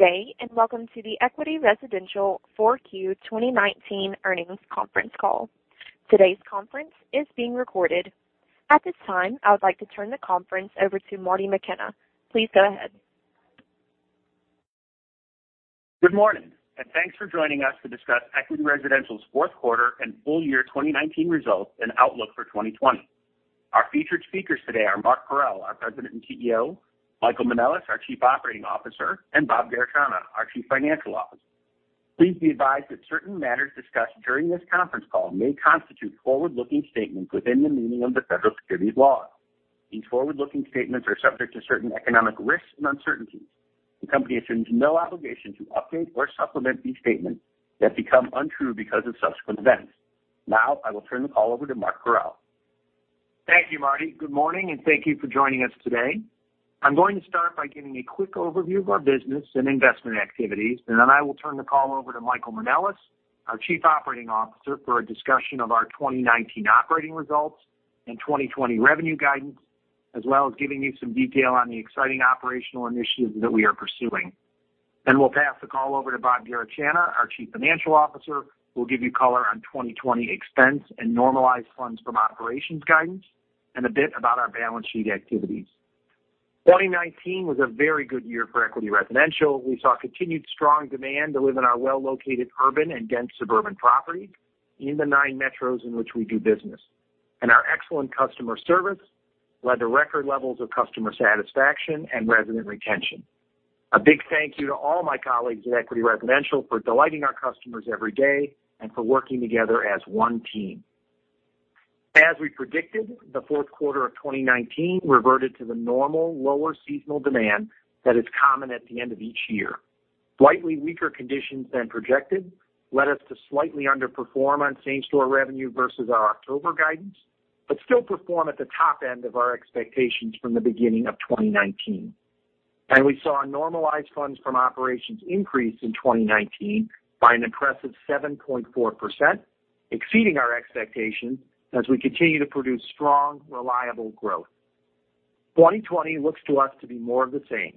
Good day. Welcome to the Equity Residential 4Q 2019 earnings conference call. Today's conference is being recorded. At this time, I would like to turn the conference over to Marty McKenna. Please go ahead. Good morning, and thanks for joining us to discuss Equity Residential's fourth quarter and full year 2019 results and outlook for 2020. Our featured speakers today are Mark Parrell, our President and CEO, Michael Manelis, our Chief Operating Officer, and Bob Garechana, our Chief Financial Officer. Please be advised that certain matters discussed during this conference call may constitute forward-looking statements within the meaning of the federal securities laws. These forward-looking statements are subject to certain economic risks and uncertainties. The company assumes no obligation to update or supplement these statements that become untrue because of subsequent events. Now, I will turn the call over to Mark Parrell. Thank you, Marty. Good morning, and thank you for joining us today. I'm going to start by giving a quick overview of our business and investment activities, and then I will turn the call over to Michael Manelis, our Chief Operating Officer, for a discussion of our 2019 operating results and 2020 revenue guidance, as well as giving you some detail on the exciting operational initiatives that we are pursuing. We'll pass the call over to Bob Garechana, our Chief Financial Officer, who will give you color on 2020 expense and Normalized Funds From Operations guidance, and a bit about our balance sheet activities. 2019 was a very good year for Equity Residential. We saw continued strong demand to live in our well-located urban and dense suburban property in the nine metros in which we do business. Our excellent customer service led to record levels of customer satisfaction and resident retention. A big thank you to all my colleagues at Equity Residential for delighting our customers every day, and for working together as one team. As we predicted, the fourth quarter of 2019 reverted to the normal lower seasonal demand that is common at the end of each year. Slightly weaker conditions than projected led us to slightly underperform on same-store revenue versus our October guidance, but still perform at the top end of our expectations from the beginning of 2019. We saw Normalized Funds From Operations increase in 2019 by an impressive seven point four, exceeding our expectations as we continue to produce strong, reliable growth. 2020 looks to us to be more of the same.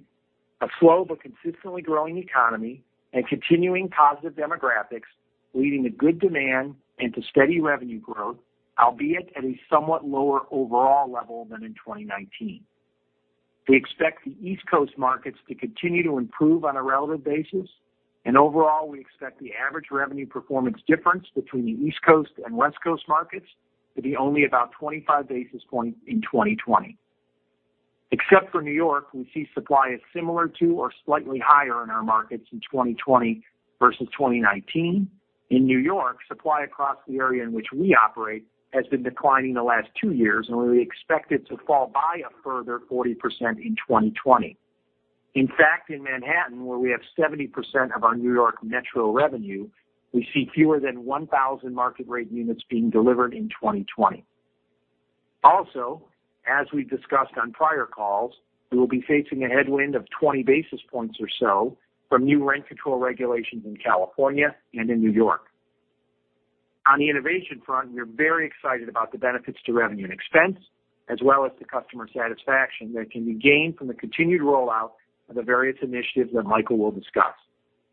A slow but consistently growing economy and continuing positive demographics leading to good demand and to steady revenue growth, albeit at a somewhat lower overall level than in 2019. We expect the East Coast markets to continue to improve on a relative basis. Overall, we expect the average revenue performance difference between the East Coast and West Coast markets to be only about 25 basis points in 2020. Except for New York, we see supply as similar to or slightly higher in our markets in 2020 versus 2019. In New York, supply across the area in which we operate has been declining the last two years, and we expect it to fall by a further 40% in 2020. In fact, in Manhattan, where we have 70% of our New York metro revenue, we see fewer than 1,000 market rate units being delivered in 2020. Also, as we've discussed on prior calls, we will be facing a headwind of 20 basis points or so from new rent control regulations in California and in New York. On the innovation front, we're very excited about the benefits to revenue and expense, as well as the customer satisfaction that can be gained from the continued rollout of the various initiatives that Michael will discuss.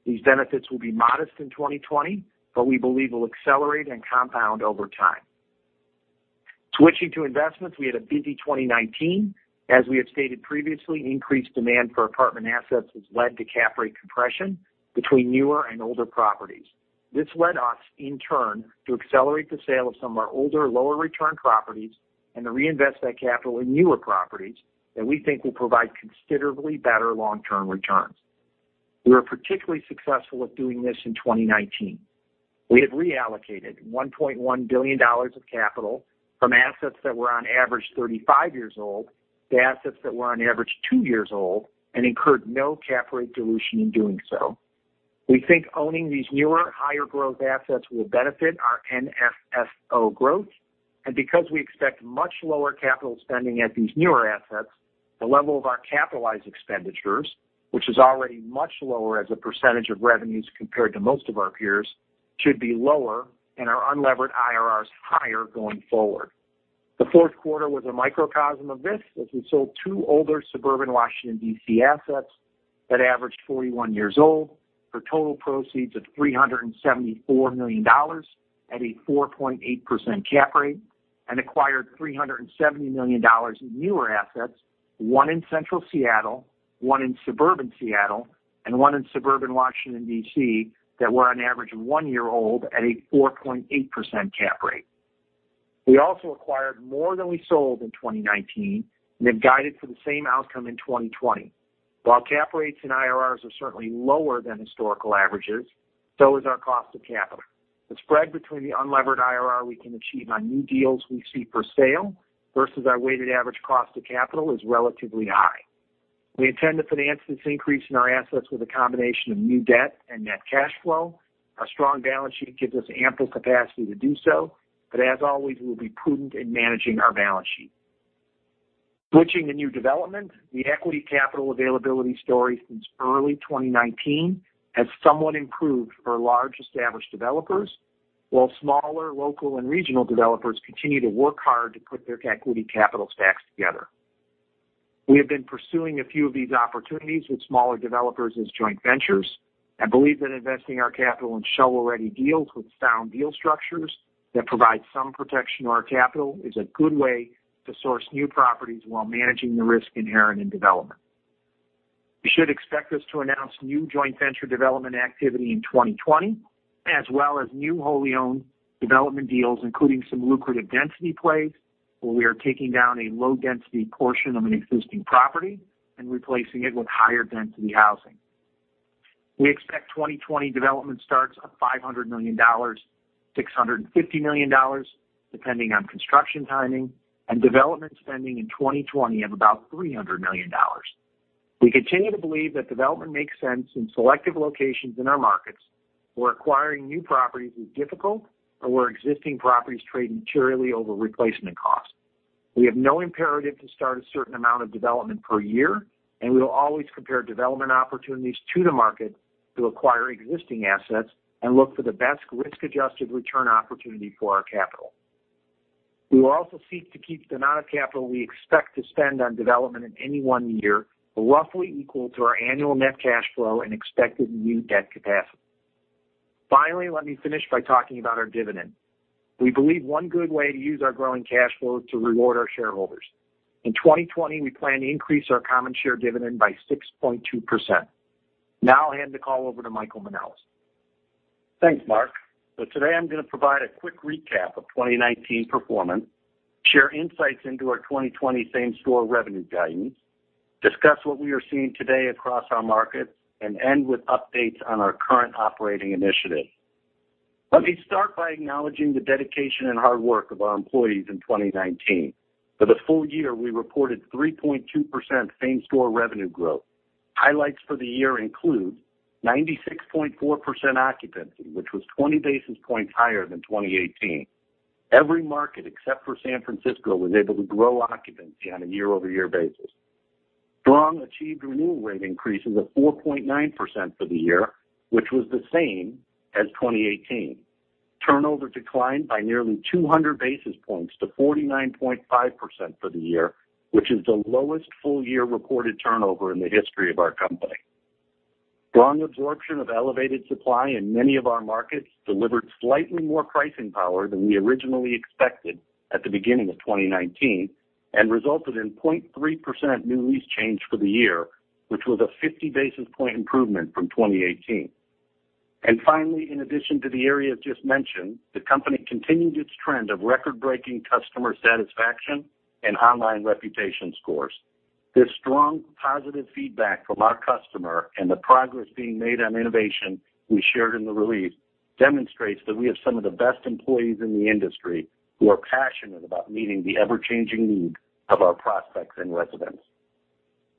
These benefits will be modest in 2020, but we believe will accelerate and compound over time. Switching to investments, we had a busy 2019. As we have stated previously, increased demand for apartment assets has led to cap rate compression between newer and older properties. This led us, in turn, to accelerate the sale of some of our older, lower return properties and to reinvest that capital in newer properties that we think will provide considerably better long-term returns. We were particularly successful at doing this in 2019. We have reallocated $1.1 billion of capital from assets that were on average 35 years old to assets that were on average two years old and incurred no cap rate dilution in doing so. We think owning these newer, higher growth assets will benefit our NFFO growth. Because we expect much lower capital spending at these newer assets, the level of our capitalized expenditures, which is already much lower as a percentage of revenues compared to most of our peers, should be lower and our unlevered IRRs higher going forward. The fourth quarter was a microcosm of this, as we sold two older suburban Washington, D.C. assets that averaged 41 years old for total proceeds of $374 million at a four point eight percent cap rate and acquired $370 million in newer assets, one in central Seattle, one in suburban Seattle, and one in suburban Washington, D.C. that were on average one year old at a four point eight percent cap rate. We also acquired more than we sold in 2019 and have guided for the same outcome in 2020. While cap rates and IRRs are certainly lower than historical averages, so is our cost of capital. The spread between the unlevered IRR we can achieve on new deals we see for sale versus our weighted average cost of capital is relatively high. We intend to finance this increase in our assets with a combination of new debt and net cash flow. Our strong balance sheet gives us ample capacity to do so, but as always, we'll be prudent in managing our balance sheet. Switching to new development, the equity capital availability story since early 2019 has somewhat improved for large established developers. While smaller local and regional developers continue to work hard to put their equity capital stacks together. We have been pursuing a few of these opportunities with smaller developers as joint ventures. I believe that investing our capital in shell-ready deals with sound deal structures that provide some protection to our capital is a good way to source new properties while managing the risk inherent in development. You should expect us to announce new joint venture development activity in 2020, as well as new wholly owned development deals, including some lucrative density plays, where we are taking down a low-density portion of an existing property and replacing it with higher-density housing. We expect 2020 development starts of $500 million, $650 million, depending on construction timing, and development spending in 2020 of about $300 million. We continue to believe that development makes sense in selective locations in our markets where acquiring new properties is difficult or where existing properties trade materially over replacement cost. We have no imperative to start a certain amount of development per year, and we will always compare development opportunities to the market to acquire existing assets and look for the best risk-adjusted return opportunity for our capital. We will also seek to keep the amount of capital we expect to spend on development in any one year roughly equal to our annual net cash flow and expected new debt capacity. Finally, let me finish by talking about our dividend. We believe one good way to use our growing cash flow is to reward our shareholders. In 2020, we plan to increase our common share dividend by 6.2%. Now I'll hand the call over to Michael Manelis. Thanks, Mark. Today I'm going to provide a quick recap of 2019 performance, share insights into our 2020 same-store revenue guidance, discuss what we are seeing today across our markets, and end with updates on our current operating initiatives. Let me start by acknowledging the dedication and hard work of our employees in 2019. For the full year, we reported three point two percent same-store revenue growth. Highlights for the year include 96.4% occupancy, which was 20 basis points higher than 2018. Every market except for San Francisco was able to grow occupancy on a year-over-year basis. Strong achieved renewal rate increases of four point nine percent for the year, which was the same as 2018. Turnover declined by nearly 200 basis points to 49.5% for the year, which is the lowest full-year reported turnover in the history of our company. Strong absorption of elevated supply in many of our markets delivered slightly more pricing power than we originally expected at the beginning of 2019 and resulted in point three percent new lease change for the year, which was a 50-basis point improvement from 2018. Finally, in addition to the areas just mentioned, the company continued its trend of record-breaking customer satisfaction and online reputation scores. This strong positive feedback from our customer and the progress being made on innovation we shared in the release demonstrates that we have some of the best employees in the industry who are passionate about meeting the ever-changing needs of our prospects and residents.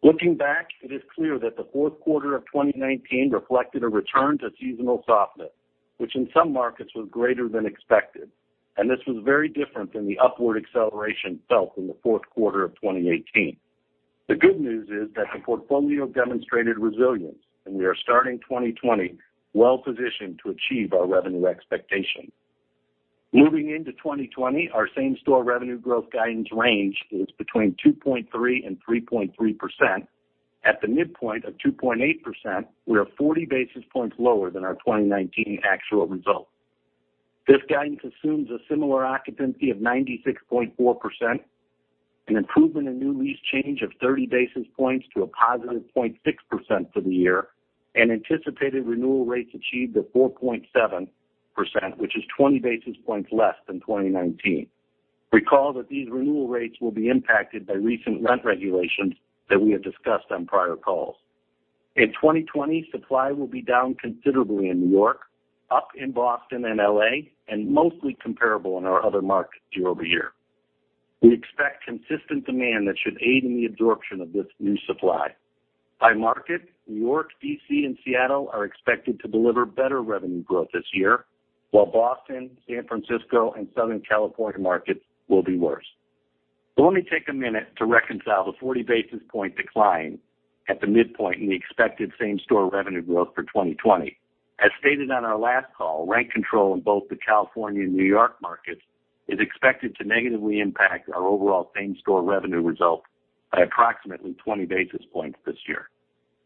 Looking back, it is clear that the fourth quarter of 2019 reflected a return to seasonal softness, which in some markets was greater than expected, and this was very different than the upward acceleration felt in the fourth quarter of 2018. The good news is that the portfolio demonstrated resilience, and we are starting 2020 well-positioned to achieve our revenue expectations. Moving into 2020, our same-store revenue growth guidance range is between two point three and three point three percent. At the midpoint of two point eight percent, we are 40 basis points lower than our 2019 actual result. This guidance assumes a similar occupancy of 96.4%, an improvement in new lease change of 30 basis points to a positive point six percent for the year, and anticipated renewal rates achieved at four point seven percent, which is 20 basis points less than 2019. Recall that these renewal rates will be impacted by recent rent regulations that we have discussed on prior calls. In 2020, supply will be down considerably in New York, up in Boston and L.A., and mostly comparable in our other markets year-over-year. We expect consistent demand that should aid in the absorption of this new supply. By market, New York, D.C., and Seattle are expected to deliver better revenue growth this year, while Boston, San Francisco, and Southern California markets will be worse. Let me take a minute to reconcile the 40-basis point decline at the midpoint in the expected same-store revenue growth for 2020. As stated on our last call, rent control in both the California and New York markets is expected to negatively impact our overall same-store revenue result by approximately 20 basis points this year.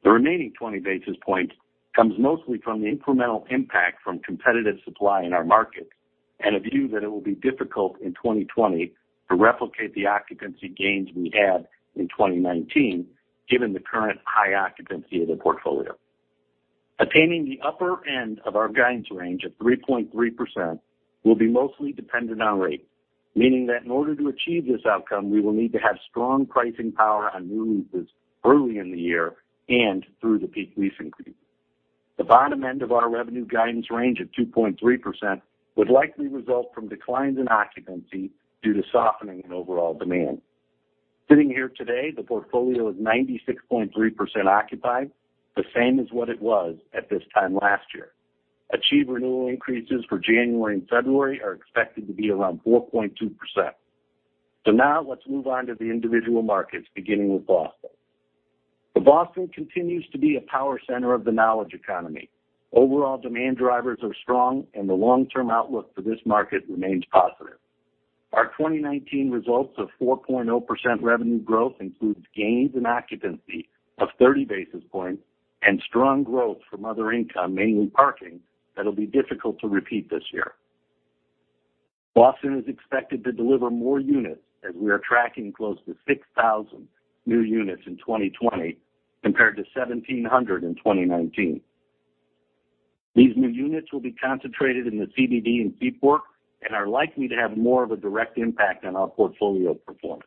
The remaining 20 basis points comes mostly from the incremental impact from competitive supply in our markets and a view that it will be difficult in 2020 to replicate the occupancy gains we had in 2019, given the current high occupancy of the portfolio. Attaining the upper end of our guidance range of three point three percent will be mostly dependent on rate, meaning that in order to achieve this outcome, we will need to have strong pricing power on new leases early in the year and through the peak leasing period. The bottom end of our revenue guidance range of two point three percent would likely result from declines in occupancy due to softening in overall demand. Sitting here today, the portfolio is 96.3% occupied, the same as what it was at this time last year. Achieved renewal increases for January and February are expected to be around four point two percent. Now let's move on to the individual markets, beginning with Boston. The Boston continues to be a power center of the knowledge economy. Overall demand drivers are strong and the long-term outlook for this market remains positive. Our 2019 results of 4.0% revenue growth includes gains in occupancy of 30 basis points and strong growth from other income, mainly parking, that'll be difficult to repeat this year. Boston is expected to deliver more units as we are tracking close to 6,000 new units in 2020, compared to 1,700 in 2019. These new units will be concentrated in the CBD and Seaport and are likely to have more of a direct impact on our portfolio performance.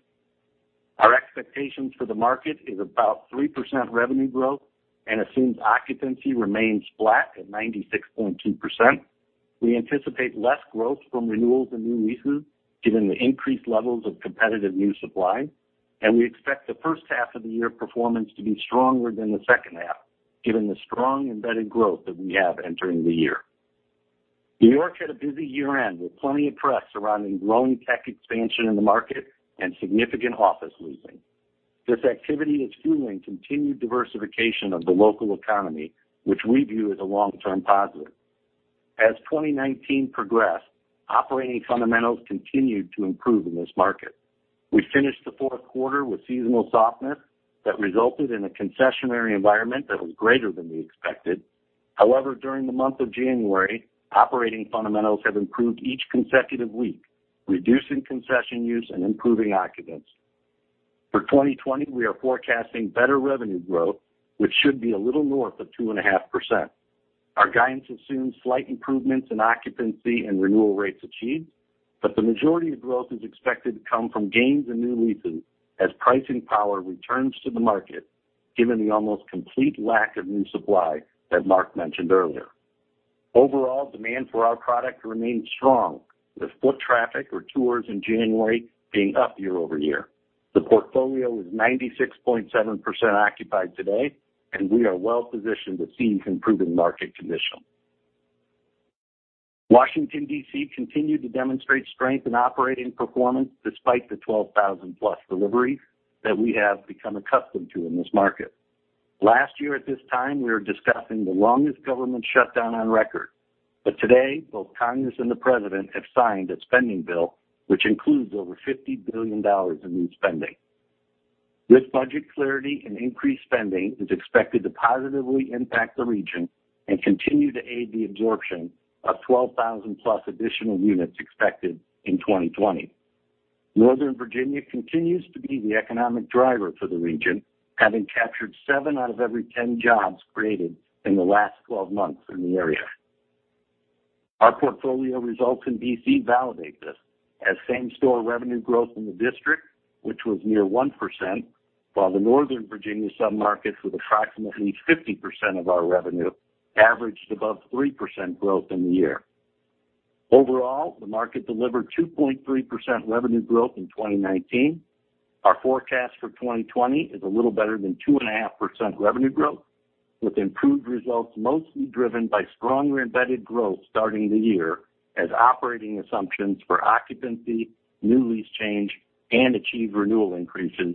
Our expectations for the market is about three percent revenue growth and assumes occupancy remains flat at 96.2%. We anticipate less growth from renewals and new leases, given the increased levels of competitive new supply. We expect the first half of the year performance to be stronger than the second half, given the strong embedded growth that we have entering the year. New York had a busy year-end with plenty of press around the growing tech expansion in the market and significant office leasing. This activity is fueling continued diversification of the local economy, which we view as a long-term positive. As 2019 progressed, operating fundamentals continued to improve in this market. We finished the fourth quarter with seasonal softness that resulted in a concessionary environment that was greater than we expected. However, during the month of January, operating fundamentals have improved each consecutive week, reducing concession use and improving occupancy. For 2020, we are forecasting better revenue growth, which should be a little north of two and a half percent. Our guidance assumes slight improvements in occupancy and renewal rates achieved, but the majority of growth is expected to come from gains and new leases as pricing power returns to the market given the almost complete lack of new supply that Mark mentioned earlier. Overall, demand for our product remains strong with foot traffic or tours in January being up year-over-year. The portfolio is 96.7% occupied today and we are well positioned to seize improving market conditions. Washington, D.C. continued to demonstrate strength in operating performance despite the 12,000+ deliveries that we have become accustomed to in this market. Last year at this time, we were discussing the longest government shutdown on record. Today both Congress and the President have signed a spending bill which includes over $50 billion in new spending. This budget clarity and increased spending is expected to positively impact the region and continue to aid the absorption of 12,000+ additional units expected in 2020. Northern Virginia continues to be the economic driver for the region, having captured seven out of every 10 jobs created in the last 12 months in the area. Our portfolio results in D.C. validate this as same-store revenue growth in the district, which was near one percent, while the Northern Virginia submarkets with approximately 50% of our revenue averaged above three percent growth in the year. Overall, the market delivered two point three percent revenue growth in 2019. Our forecast for 2020 is a little better than 2.5% revenue growth, with improved results mostly driven by stronger embedded growth starting the year as operating assumptions for occupancy, new lease change, and achieved renewal increases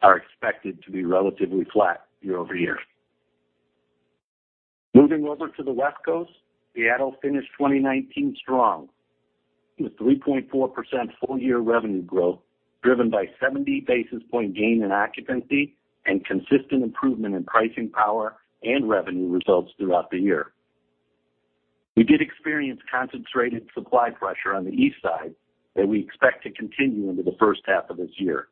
are expected to be relatively flat year-over-year. Moving over to the West Coast, Seattle finished 2019 strong with three point four percent full year revenue growth, driven by 70 basis point gain in occupancy and consistent improvement in pricing power and revenue results throughout the year. We did experience concentrated supply pressure on the East Side that we expect to continue into the first half of this year.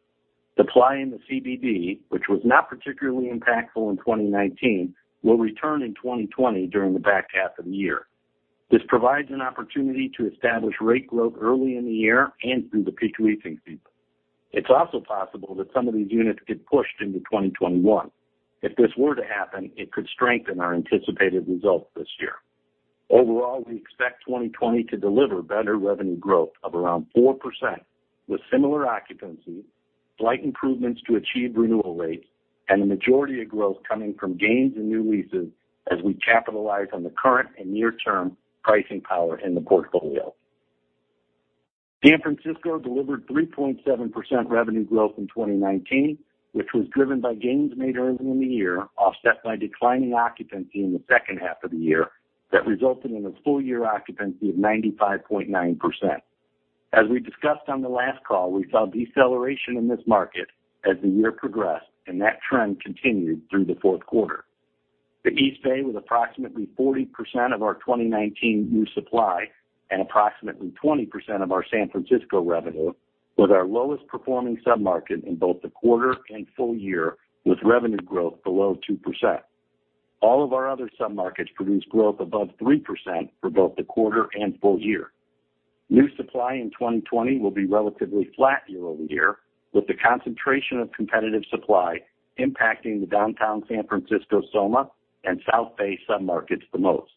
Supply in the CBD, which was not particularly impactful in 2019, will return in 2020 during the back half of the year. This provides an opportunity to establish rate growth early in the year and through the peak leasing season. It's also possible that some of these units get pushed into 2021. If this were to happen, it could strengthen our anticipated results this year. Overall, we expect 2020 to deliver better revenue growth of around four percent with similar occupancy, slight improvements to achieve renewal rates, and the majority of growth coming from gains and new leases as we capitalize on the current and near term pricing power in the portfolio. San Francisco delivered three point seven percent revenue growth in 2019, which was driven by gains made early in the year, offset by declining occupancy in the second half of the year that resulted in a full year occupancy of 95.9%. As we discussed on the last call, we saw deceleration in this market as the year progressed, and that trend continued through the fourth quarter. The East Bay with approximately 40% of our 2019 new supply and approximately 20% of our San Francisco revenue, was our lowest performing submarket in both the quarter and full year with revenue growth below two percent. All of our other submarkets produced growth above three percent for both the quarter and full year. New supply in 2020 will be relatively flat year-over-year, with the concentration of competitive supply impacting the downtown San Francisco SOMA and South Bay submarkets the most.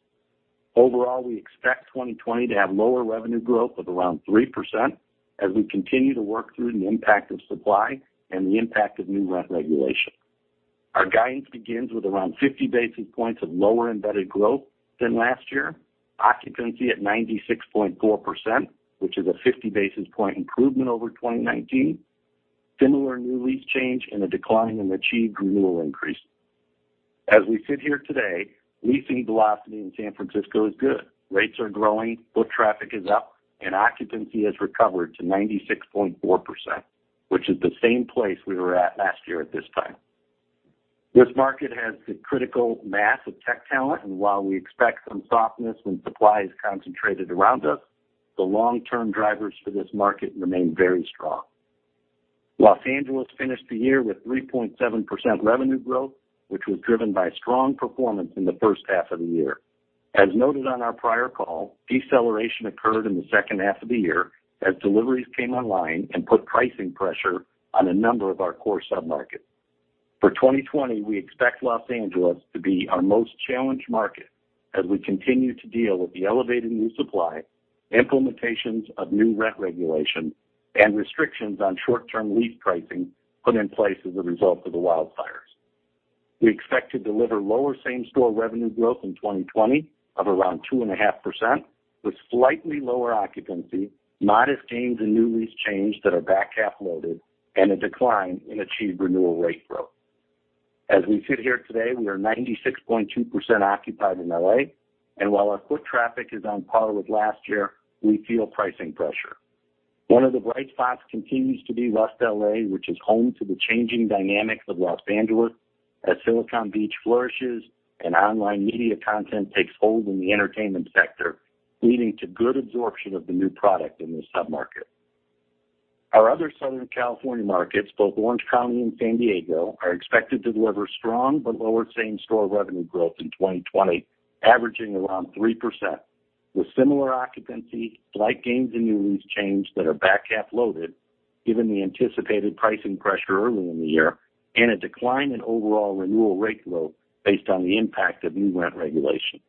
Overall, we expect 2020 to have lower revenue growth of around three percent as we continue to work through the impact of supply and the impact of new rent regulation. Our guidance begins with around 50 basis points of lower embedded growth than last year. Occupancy at 96.4%, which is a 50 basis point improvement over 2019. Similar new lease change and a decline in achieved renewal increase. As we sit here today, leasing velocity in San Francisco is good. Rates are growing, foot traffic is up, and occupancy has recovered to 96.4%, which is the same place we were at last year at this time. This market has the critical mass of tech talent, and while we expect some softness when supply is concentrated around us, the long-term drivers for this market remain very strong. Los Angeles finished the year with three point seven percent revenue growth, which was driven by strong performance in the first half of the year. As noted on our prior call, deceleration occurred in the second half of the year as deliveries came online and put pricing pressure on a number of our core submarkets. For 2020, we expect Los Angeles to be our most challenged market as we continue to deal with the elevated new supply, implementations of new rent regulation, and restrictions on short-term lease pricing put in place as a result of the wildfires. We expect to deliver lower same-store revenue growth in 2020 of around two and a half with slightly lower occupancy, modest gains in new lease change that are back-half loaded, and a decline in achieved renewal rate growth. As we sit here today, we are 96.2% occupied in L.A., and while our foot traffic is on par with last year, we feel pricing pressure. One of the bright spots continues to be West L.A., which is home to the changing dynamics of Los Angeles as Silicon Beach flourishes and online media content takes hold in the entertainment sector, leading to good absorption of the new product in this submarket. Our other Southern California markets, both Orange County and San Diego, are expected to deliver strong but lower same-store revenue growth in 2020, averaging around three percent, with similar occupancy, slight gains in new lease change that are back-half loaded given the anticipated pricing pressure early in the year, and a decline in overall renewal rate growth based on the impact of new rent regulation.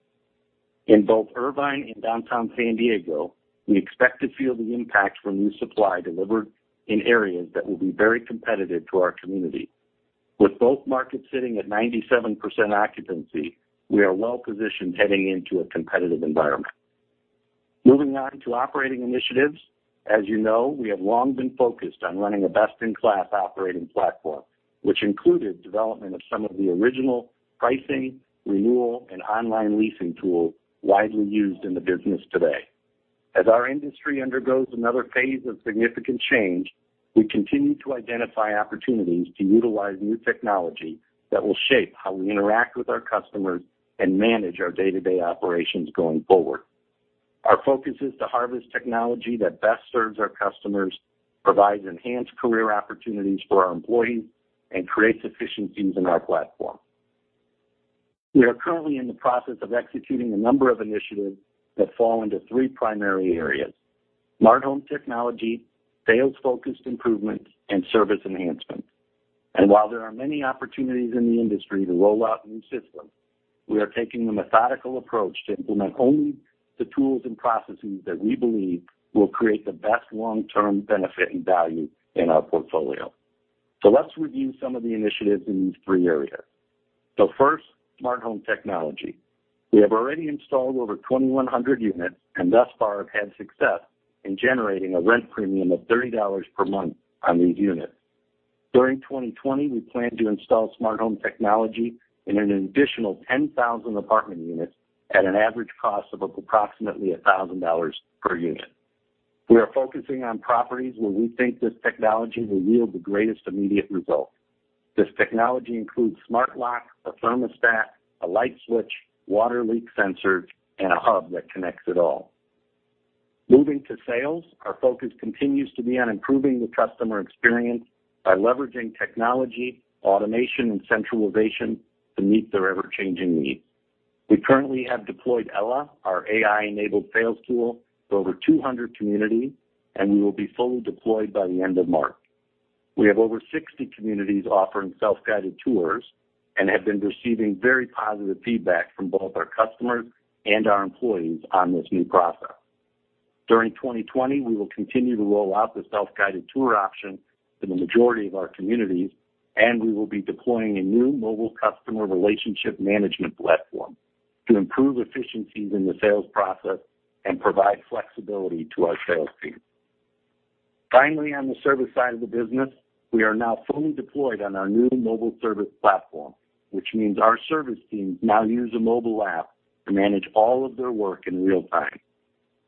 In both Irvine and downtown San Diego, we expect to feel the impact from new supply delivered in areas that will be very competitive to our community. With both markets sitting at 97% occupancy, we are well positioned heading into a competitive environment. Moving on to operating initiatives. As you know, we have long been focused on running a best-in-class operating platform, which included development of some of the original pricing, renewal, and online leasing tools widely used in the business today. As our industry undergoes another phase of significant change, we continue to identify opportunities to utilize new technology that will shape how we interact with our customers and manage our day-to-day operations going forward. Our focus is to harvest technology that best serves our customers, provides enhanced career opportunities for our employees, and creates efficiencies in our platform. We are currently in the process of executing a number of initiatives that fall into three primary areas: smart home technology, sales-focused improvements, and service enhancements. While there are many opportunities in the industry to roll out new systems, we are taking the methodical approach to implement only the tools and processes that we believe will create the best long-term benefit and value in our portfolio. Let's review some of the initiatives in these three areas. First, smart home technology. We have already installed over 2,100 units, and thus far have had success in generating a rent premium of $30 per month on these units. During 2020, we plan to install smart home technology in an additional 10,000 apartment units at an average cost of approximately $1,000 per unit. We are focusing on properties where we think this technology will yield the greatest immediate result. This technology includes smart lock, a thermostat, a light switch, water leak sensors, and a hub that connects it all. Moving to sales, our focus continues to be on improving the customer experience by leveraging technology, automation, and centralization to meet their ever-changing needs. We currently have deployed Ella, our AI-enabled sales tool, to over 200 communities, and we will be fully deployed by the end of March. We have over 60 communities offering self-guided tours and have been receiving very positive feedback from both our customers and our employees on this new process. During 2020, we will continue to roll out the self-guided tour option to the majority of our communities, and we will be deploying a new mobile customer relationship management platform to improve efficiencies in the sales process and provide flexibility to our sales team. Finally, on the service side of the business, we are now fully deployed on our new mobile service platform, which means our service teams now use a mobile app to manage all of their work in real time.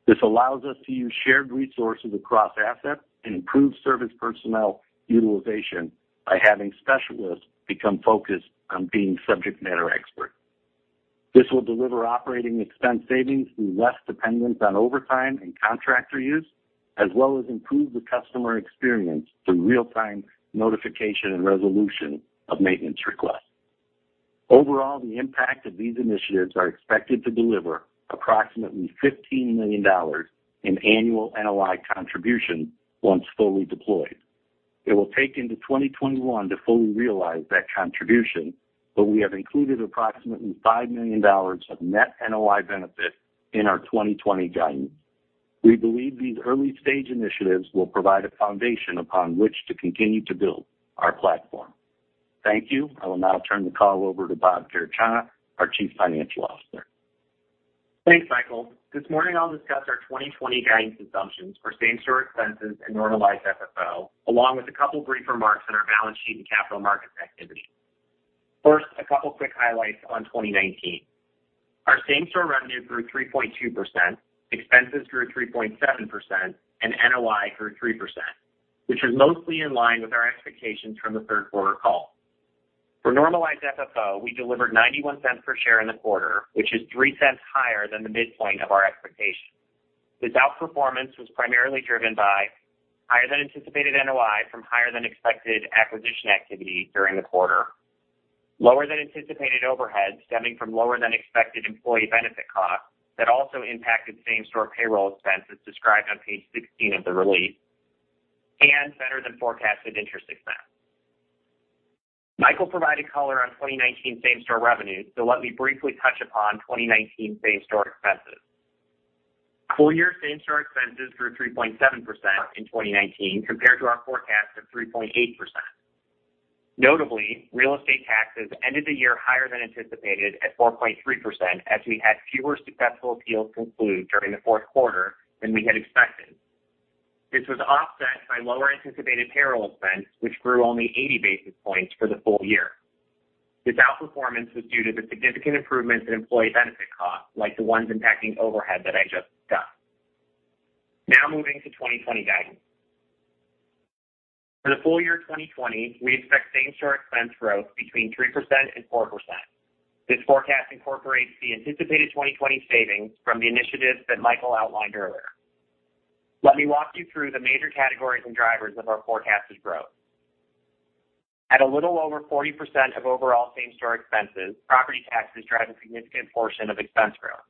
This allows us to use shared resources across assets and improve service personnel utilization by having specialists become focused on being subject matter experts. This will deliver operating expense savings through less dependence on overtime and contractor use, as well as improve the customer experience through real-time notification and resolution of maintenance requests. Overall, the impact of these initiatives are expected to deliver approximately $15 million in annual NOI contribution once fully deployed. It will take into 2021 to fully realize that contribution, but we have included approximately $5 million of net NOI benefit in our 2020 guidance. We believe these early-stage initiatives will provide a foundation upon which to continue to build our platform. Thank you. I will now turn the call over to Bob Garechana, our Chief Financial Officer. Thanks, Michael. This morning, I'll discuss our 2020 guidance assumptions for same-store expenses and Normalized FFO, along with a couple brief remarks on our balance sheet and capital markets activity. First, a couple quick highlights on 2019. Our same-store revenue grew three point two percent, expenses grew three point seven percent, and NOI grew three percent, which is mostly in line with our expectations from the third quarter call. For Normalized FFO, we delivered $0.91 per share in the quarter, which is $0.03 higher than the midpoint of our expectations. This outperformance was primarily driven by higher than anticipated NOI from higher than expected acquisition activity during the quarter, lower than anticipated overheads stemming from lower than expected employee benefit costs that also impacted same-store payroll expenses described on page 16 of the release, and better than forecasted interest expense. Michael provided color on 2019 same-store revenue. Let me briefly touch upon 2019 same-store expenses. Full-year same-store expenses grew three point seven percent in 2019 compared to our forecast of three point eight percent. Notably, real estate taxes ended the year higher than anticipated at four point three percent as we had fewer successful appeals conclude during the fourth quarter than we had expected. This was offset by lower anticipated payroll expense, which grew only 80 basis points for the full year. This outperformance was due to the significant improvements in employee benefit costs, like the ones impacting overhead that I just discussed. Moving to 2020 guidance. For the full year 2020, we expect same-store expense growth between three percent and four percent. This forecast incorporates the anticipated 2020 savings from the initiatives that Michael outlined earlier. Let me walk you through the major categories and drivers of our forecasted growth. At a little over 40% of overall same-store expenses, property taxes drive a significant portion of expense growth.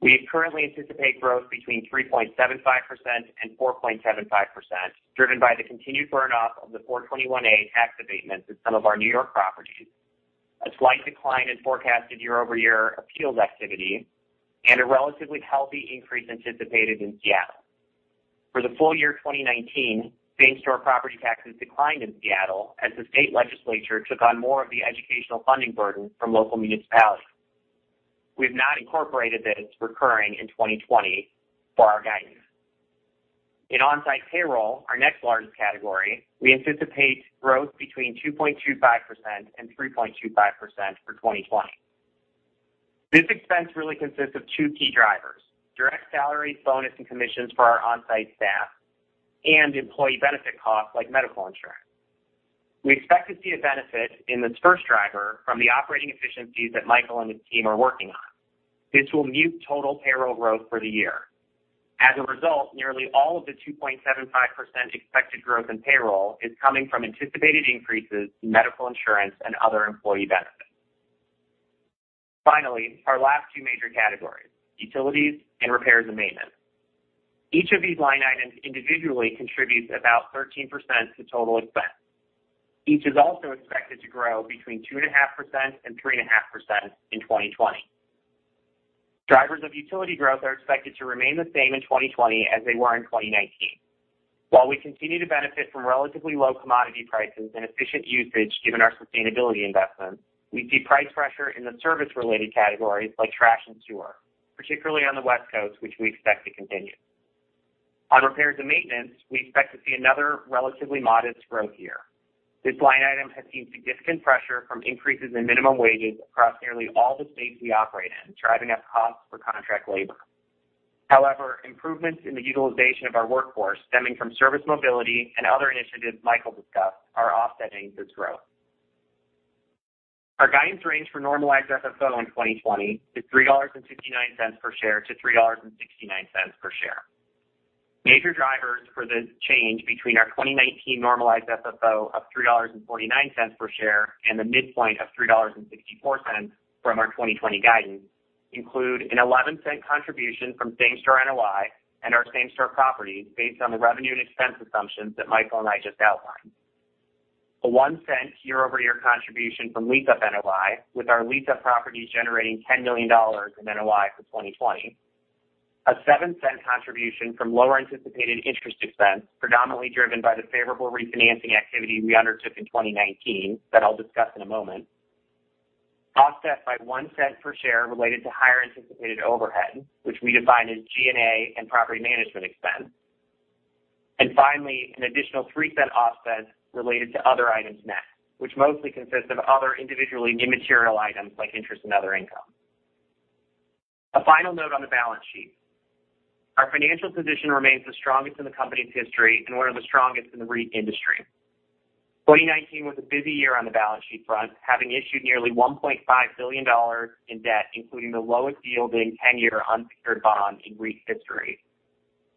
We currently anticipate growth between three point seven five percent and four point seven five percent, driven by the continued burn-off of the 421-a tax abatements in some of our New York properties, a slight decline in forecasted year-over-year appeals activity, and a relatively healthy increase anticipated in Seattle. For the full year 2019, same-store property taxes declined in Seattle as the state legislature took on more of the educational funding burden from local municipalities. We've not incorporated this recurring in 2020 for our guidance. In on-site payroll, our next largest category, we anticipate growth between two point two five percent and three point two five percent for 2020. This expense really consists of two key drivers, direct salary, bonus, and commissions for our on-site staff and employee benefit costs like medical insurance. We expect to see a benefit in this first driver from the operating efficiencies that Michael and his team are working on. This will mute total payroll growth for the year. As a result, nearly all of the two point seven five percent expected growth in payroll is coming from anticipated increases in medical insurance and other employee benefits. Finally, our last two major categories, utilities and repairs and maintenance. Each of these line items individually contributes about 13% to total expense. Each is also expected to grow between two and a half percent and three and a half percent in 2020. Drivers of utility growth are expected to remain the same in 2020 as they were in 2019. While we continue to benefit from relatively low commodity prices and efficient usage given our sustainability investments, we see price pressure in the service-related categories like trash and sewer, particularly on the West Coast, which we expect to continue. On repairs and maintenance, we expect to see another relatively modest growth year. This line item has seen significant pressure from increases in minimum wages across nearly all the states we operate in, driving up costs for contract labor. However, improvements in the utilization of our workforce stemming from service mobility and other initiatives Michael discussed are offsetting this growth. Our guidance range for normalized FFO in 2020 is $3.59 per share to $3.69 per share. Major drivers for this change between our 2019 normalized FFO of $3.49 per share and the midpoint of $3.64 from our 2020 guidance include an $0.11 contribution from same-store NOI and our same-store properties based on the revenue and expense assumptions that Michael and I just outlined. A $0.01 year-over-year contribution from lease-up NOI, with our lease-up properties generating $10 million in NOI for 2020. A $0.07 contribution from lower anticipated interest expense, predominantly driven by the favorable refinancing activity we undertook in 2019 that I'll discuss in a moment, offset by $0.01 per share related to higher anticipated overhead, which we define as G&A and property management expense. Finally, an additional $0.03 offset related to other items now, which mostly consists of other individually immaterial items like interest and other income. A final note on the balance sheet. Our financial position remains the strongest in the company's history and one of the strongest in the REIT industry. 2019 was a busy year on the balance sheet front, having issued nearly $1.5 billion in debt, including the lowest yielding 10-year unsecured bond in REIT history,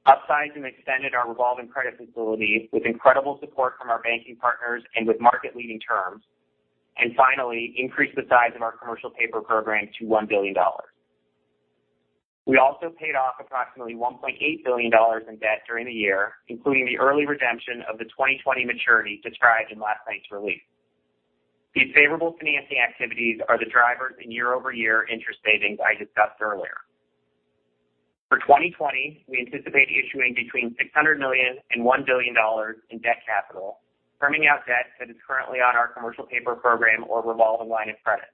upsized and extended our revolving credit facility with incredible support from our banking partners and with market-leading terms, and finally, increased the size of our commercial paper program to $1 billion. We also paid off approximately $1.8 billion in debt during the year, including the early redemption of the 2020 maturity described in last night's release. These favorable financing activities are the drivers in year-over-year interest savings I discussed earlier. For 2020, we anticipate issuing between $600 million and $1 billion in debt capital, firming out debt that is currently on our commercial paper program or revolving line of credit.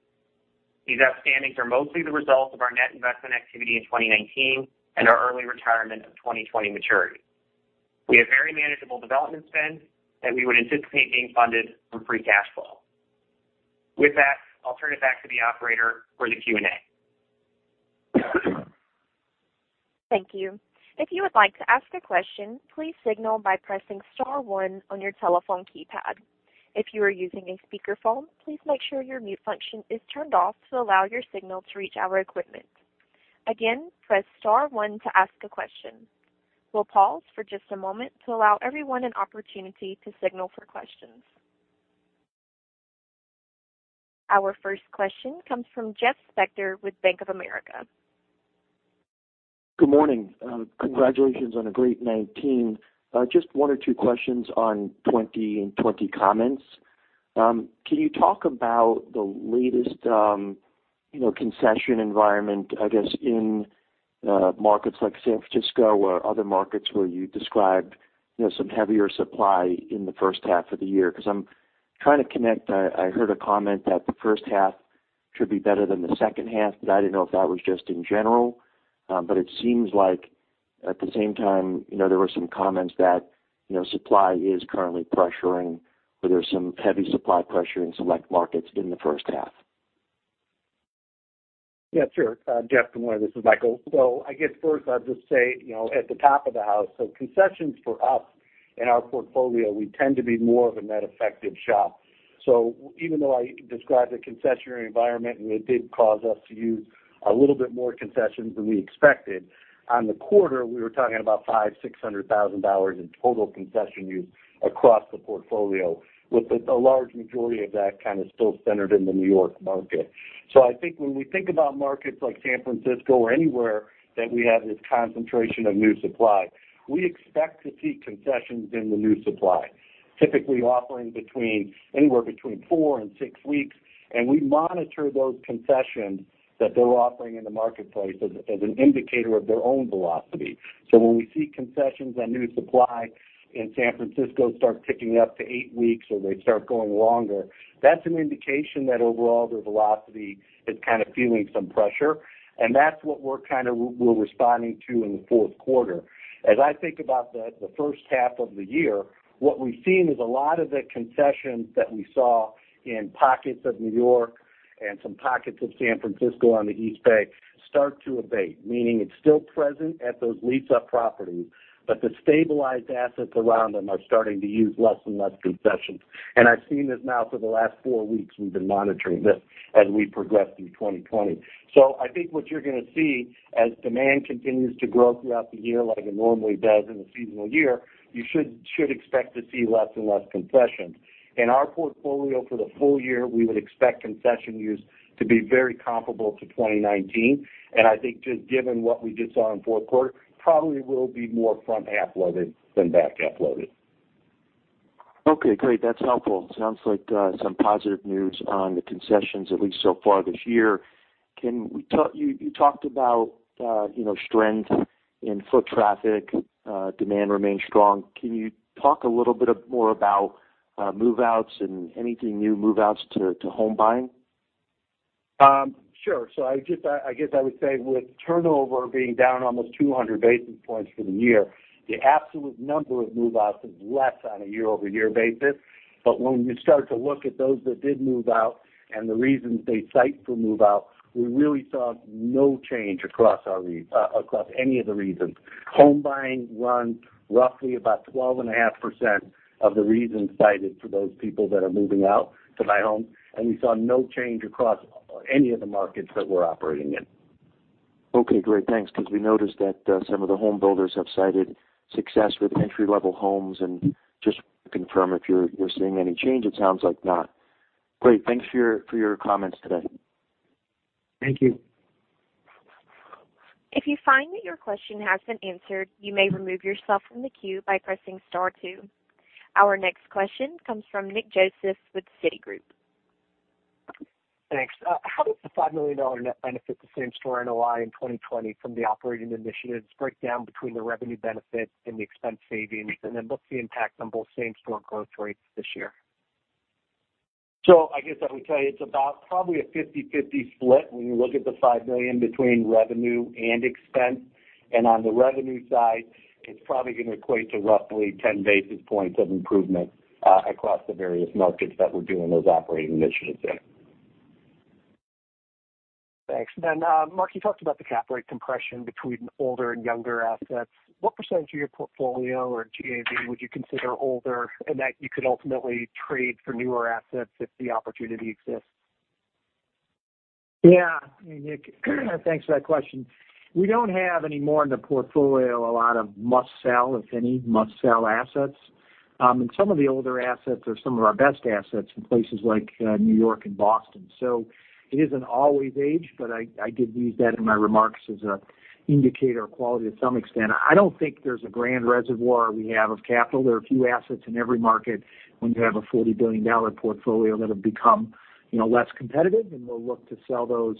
These outstandings are mostly the result of our net investment activity in 2019 and our early retirement of 2020 maturities. We have very manageable development spend that we would anticipate being funded from free cash flow. With that, I'll turn it back to the operator for the Q&A. Thank you. If you would like to ask a question, please signal by pressing star 1 on your telephone keypad. If you are using a speakerphone, please make sure your mute function is turned off to allow your signal to reach our equipment. Again, press star one to ask a question. We'll pause for just a moment to allow everyone an opportunity to signal for questions. Our first question comes from Jeffrey Spector with Bank of America. Good morning. Congratulations on a great '19. Just one or two questions on 2020 comments. Can you talk about the latest concession environment, I guess, in markets like San Francisco or other markets where you described some heavier supply in the first half of the year? I'm trying to connect. I heard a comment that the first half should be better than the second half, but I didn't know if that was just in general. It seems like at the same time, there were some comments that supply is currently pressuring, or there's some heavy supply pressure in select markets in the first half. Yeah, sure. Jeff, good morning, this is Michael. I guess first I'll just say, at the top of the house, concessions for us in our portfolio, we tend to be more of a net effective shop. Even though I described a concessionary environment, and it did cause us to use a little bit more concessions than we expected, on the quarter, we were talking about $500,000, $600,000 in total concession use across the portfolio, with a large majority of that kind of still centered in the New York market. I think when we think about markets like San Francisco or anywhere that we have this concentration of new supply, we expect to see concessions in the new supply, typically offering anywhere between four and six weeks, and we monitor those concessions that they're offering in the marketplace as an indicator of their own velocity. When we see concessions on new supply in San Francisco start ticking up to eight weeks, or they start going longer, that's an indication that overall their velocity is kind of feeling some pressure, and that's what we're responding to in the fourth quarter. As I think about the first half of the year, what we've seen is a lot of the concessions that we saw in pockets of New York and some pockets of San Francisco on the East Bay start to abate, meaning it's still present at those lease-up properties, but the stabilized assets around them are starting to use less and less concessions. I've seen this now for the last four weeks. We've been monitoring this as we progress through 2020. I think what you're going to see as demand continues to grow throughout the year like it normally does in a seasonal year, you should expect to see less and less concessions. In our portfolio for the full year, we would expect concession use to be very comparable to 2019. I think just given what we just saw in the fourth quarter, probably will be more front-half loaded than back-half loaded. Okay, great. That's helpful. Sounds like some positive news on the concessions, at least so far this year. You talked about strength in foot traffic. Demand remains strong. Can you talk a little bit more about move-outs and anything new move-outs to home buying? I guess I would say with turnover being down almost 200 basis points for the year, the absolute number of move-outs is less on a year-over-year basis. When you start to look at those that did move out and the reasons they cite for move-out, we really saw no change across any of the reasons. Home buying runs roughly about 12.5% of the reasons cited for those people that are moving out to buy a home, and we saw no change across any of the markets that we're operating in. Okay, great. Thanks. We noticed that some of the home builders have cited success with entry-level homes, and just confirm if you're seeing any change. It sounds like not. Great. Thanks for your comments today. Thank you. If you find that your question has been answered, you may remove yourself from the queue by pressing star two. Our next question comes from Nick Joseph with Citigroup. Thanks. How does the $5 million net benefit the same-store NOI in 2020 from the operating initiatives break down between the revenue benefits and the expense savings, and then what's the impact on both same-store growth rates this year? I guess I would tell you it's about probably a 50/50 split when you look at the $5 million between revenue and expense. On the revenue side, it's probably going to equate to roughly 10 basis points of improvement across the various markets that we're doing those operating initiatives in. Thanks. Mark, you talked about the cap rate compression between older and younger assets. What percentage of your portfolio or GAV would you consider older and that you could ultimately trade for newer assets if the opportunity exists? Yeah. Nick, thanks for that question. We don't have any more in the portfolio, a lot of must-sell, if any, must-sell assets. Some of the older assets are some of our best assets in places like New York and Boston. It isn't always age, but I did use that in my remarks as an indicator of quality to some extent. I don't think there's a grand reservoir we have of capital. There are a few assets in every market when you have a $40 billion portfolio that have become less competitive, and we'll look to sell those,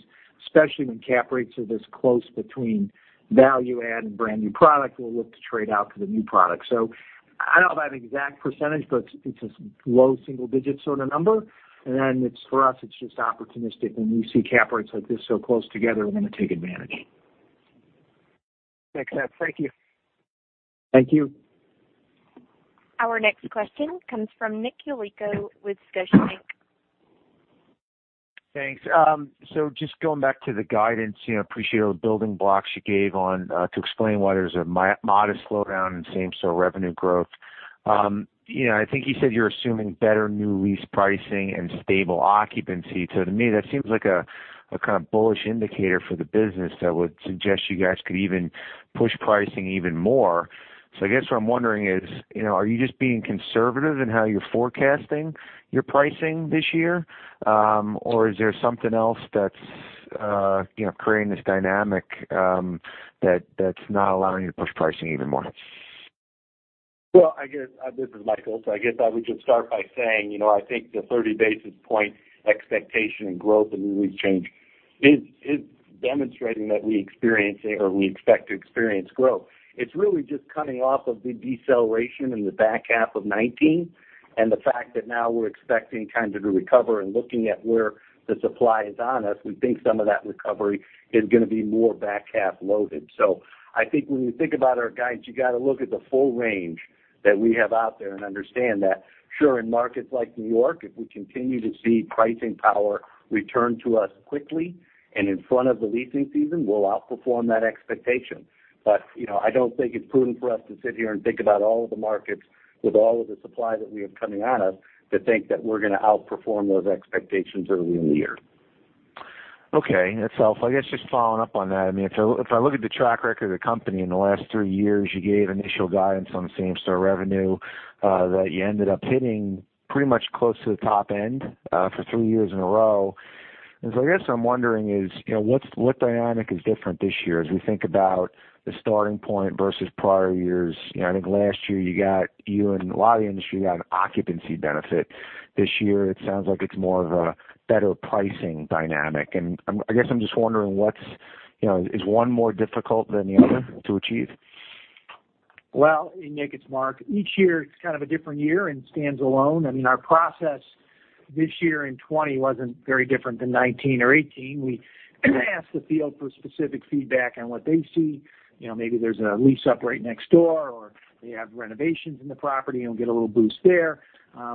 especially when cap rates are this close between value add and brand-new product. We'll look to trade out to the new product. I don't have an exact percentage, but it's a low single digits sort of number. For us, it's just opportunistic. When we see cap rates like this so close together, we're going to take advantage. Makes sense. Thank you. Thank you. Our next question comes from Nick Yulico with Scotiabank. Thanks. Just going back to the guidance, appreciate all the building blocks you gave on to explain why there's a modest slowdown in same-store revenue growth. I think you said you're assuming better new lease pricing and stable occupancy. To me, that seems like a kind of bullish indicator for the business that would suggest you guys could even push pricing even more. I guess what I'm wondering is, are you just being conservative in how you're forecasting your pricing this year? Or is there something else that's creating this dynamic that's not allowing you to push pricing even more? Well, this is Michael. I guess I would just start by saying, I think the 30 basis point expectation in growth and new lease change is demonstrating that we expect to experience growth. It's really just coming off of the deceleration in the back half of 2019, and the fact that now we're expecting kind of to recover and looking at where the supply is on us, we think some of that recovery is going to be more back half loaded. I think when you think about our guides, you got to look at the full range that we have out there and understand that, sure, in markets like New York, if we continue to see pricing power return to us quickly and in front of the leasing season, we'll outperform that expectation. I don't think it's prudent for us to sit here and think about all of the markets with all of the supply that we have coming on us to think that we're going to outperform those expectations early in the year. Okay. That's helpful. I guess just following up on that, if I look at the track record of the company in the last three years, you gave initial guidance on same-store revenue, that you ended up hitting pretty much close to the top end for three years in a row. I guess what I'm wondering is, what dynamic is different this year as we think about the starting point versus prior years? I think last year, you and a lot of the industry got an occupancy benefit. This year it sounds like it's more of a better pricing dynamic, and I guess I'm just wondering, is one more difficult than the other to achieve? Well, Nick, it's Mark. Each year it's kind of a different year and stands alone. I mean, our process this year in 2020 wasn't very different than 2019 or 2018. We asked the field for specific feedback on what they see. Maybe there's a lease up right next door, or they have renovations in the property and we'll get a little boost there.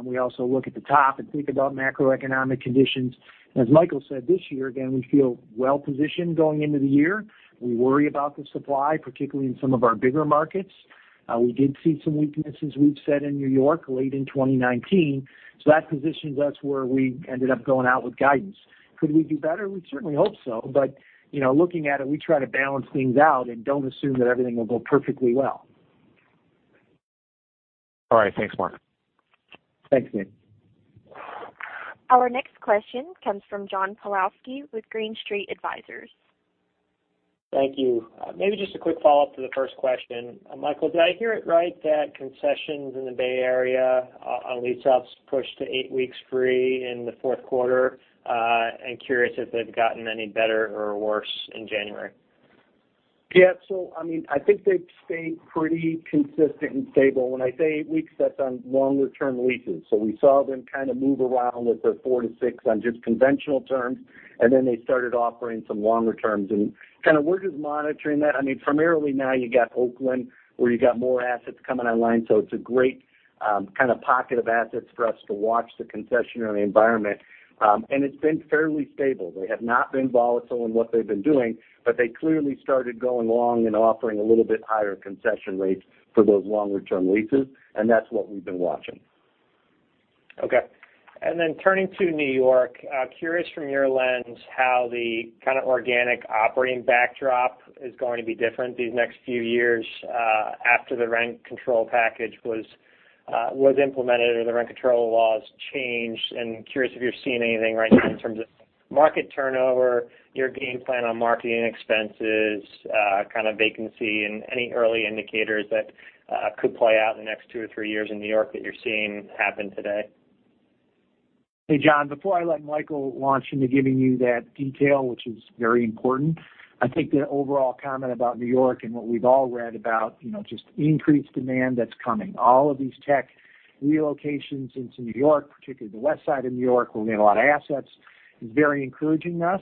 We also look at the top and think about macroeconomic conditions. As Michael said, this year, again, we feel well positioned going into the year. We worry about the supply, particularly in some of our bigger markets. We did see some weaknesses we've seen in New York late in 2019, that positions us where we ended up going out with guidance. Could we do better? We'd certainly hope so. Looking at it, we try to balance things out and don't assume that everything will go perfectly well. All right. Thanks, Mark. Thanks, Nick. Our next question comes from John Pawlowski with Green Street Advisors. Thank you. Maybe just a quick follow-up to the first question. Michael, did I hear it right that concessions in the Bay Area on lease-ups pushed to eight weeks free in the fourth quarter? I'm curious if they've gotten any better or worse in January. Yeah. I think they've stayed pretty consistent and stable. When I say eight weeks, that's on longer-term leases. We saw them kind of move around with the four to six on just conventional terms, and then they started offering some longer terms, and kind of we're just monitoring that. I mean, primarily now you got Oakland where you got more assets coming online, so it's a great kind of pocket of assets for us to watch the concessionary environment. It's been fairly stable. They have not been volatile in what they've been doing, but they clearly started going along and offering a little bit higher concession rates for those longer-term leases, that's what we've been watching. Okay. Turning to New York. Curious from your lens how the kind of organic operating backdrop is going to be different these next few years, after the rent control package was implemented or the rent control laws changed. Curious if you're seeing anything right now in terms of market turnover, your game plan on marketing expenses, kind of vacancy, and any early indicators that could play out in the next two or three years in New York that you're seeing happen today. Hey, John, before I let Michael launch into giving you that detail, which is very important, I think the overall comment about New York and what we've all read about just increased demand that's coming. All of these tech relocations into New York, particularly the west side of New York where we have a lot of assets, is very encouraging to us.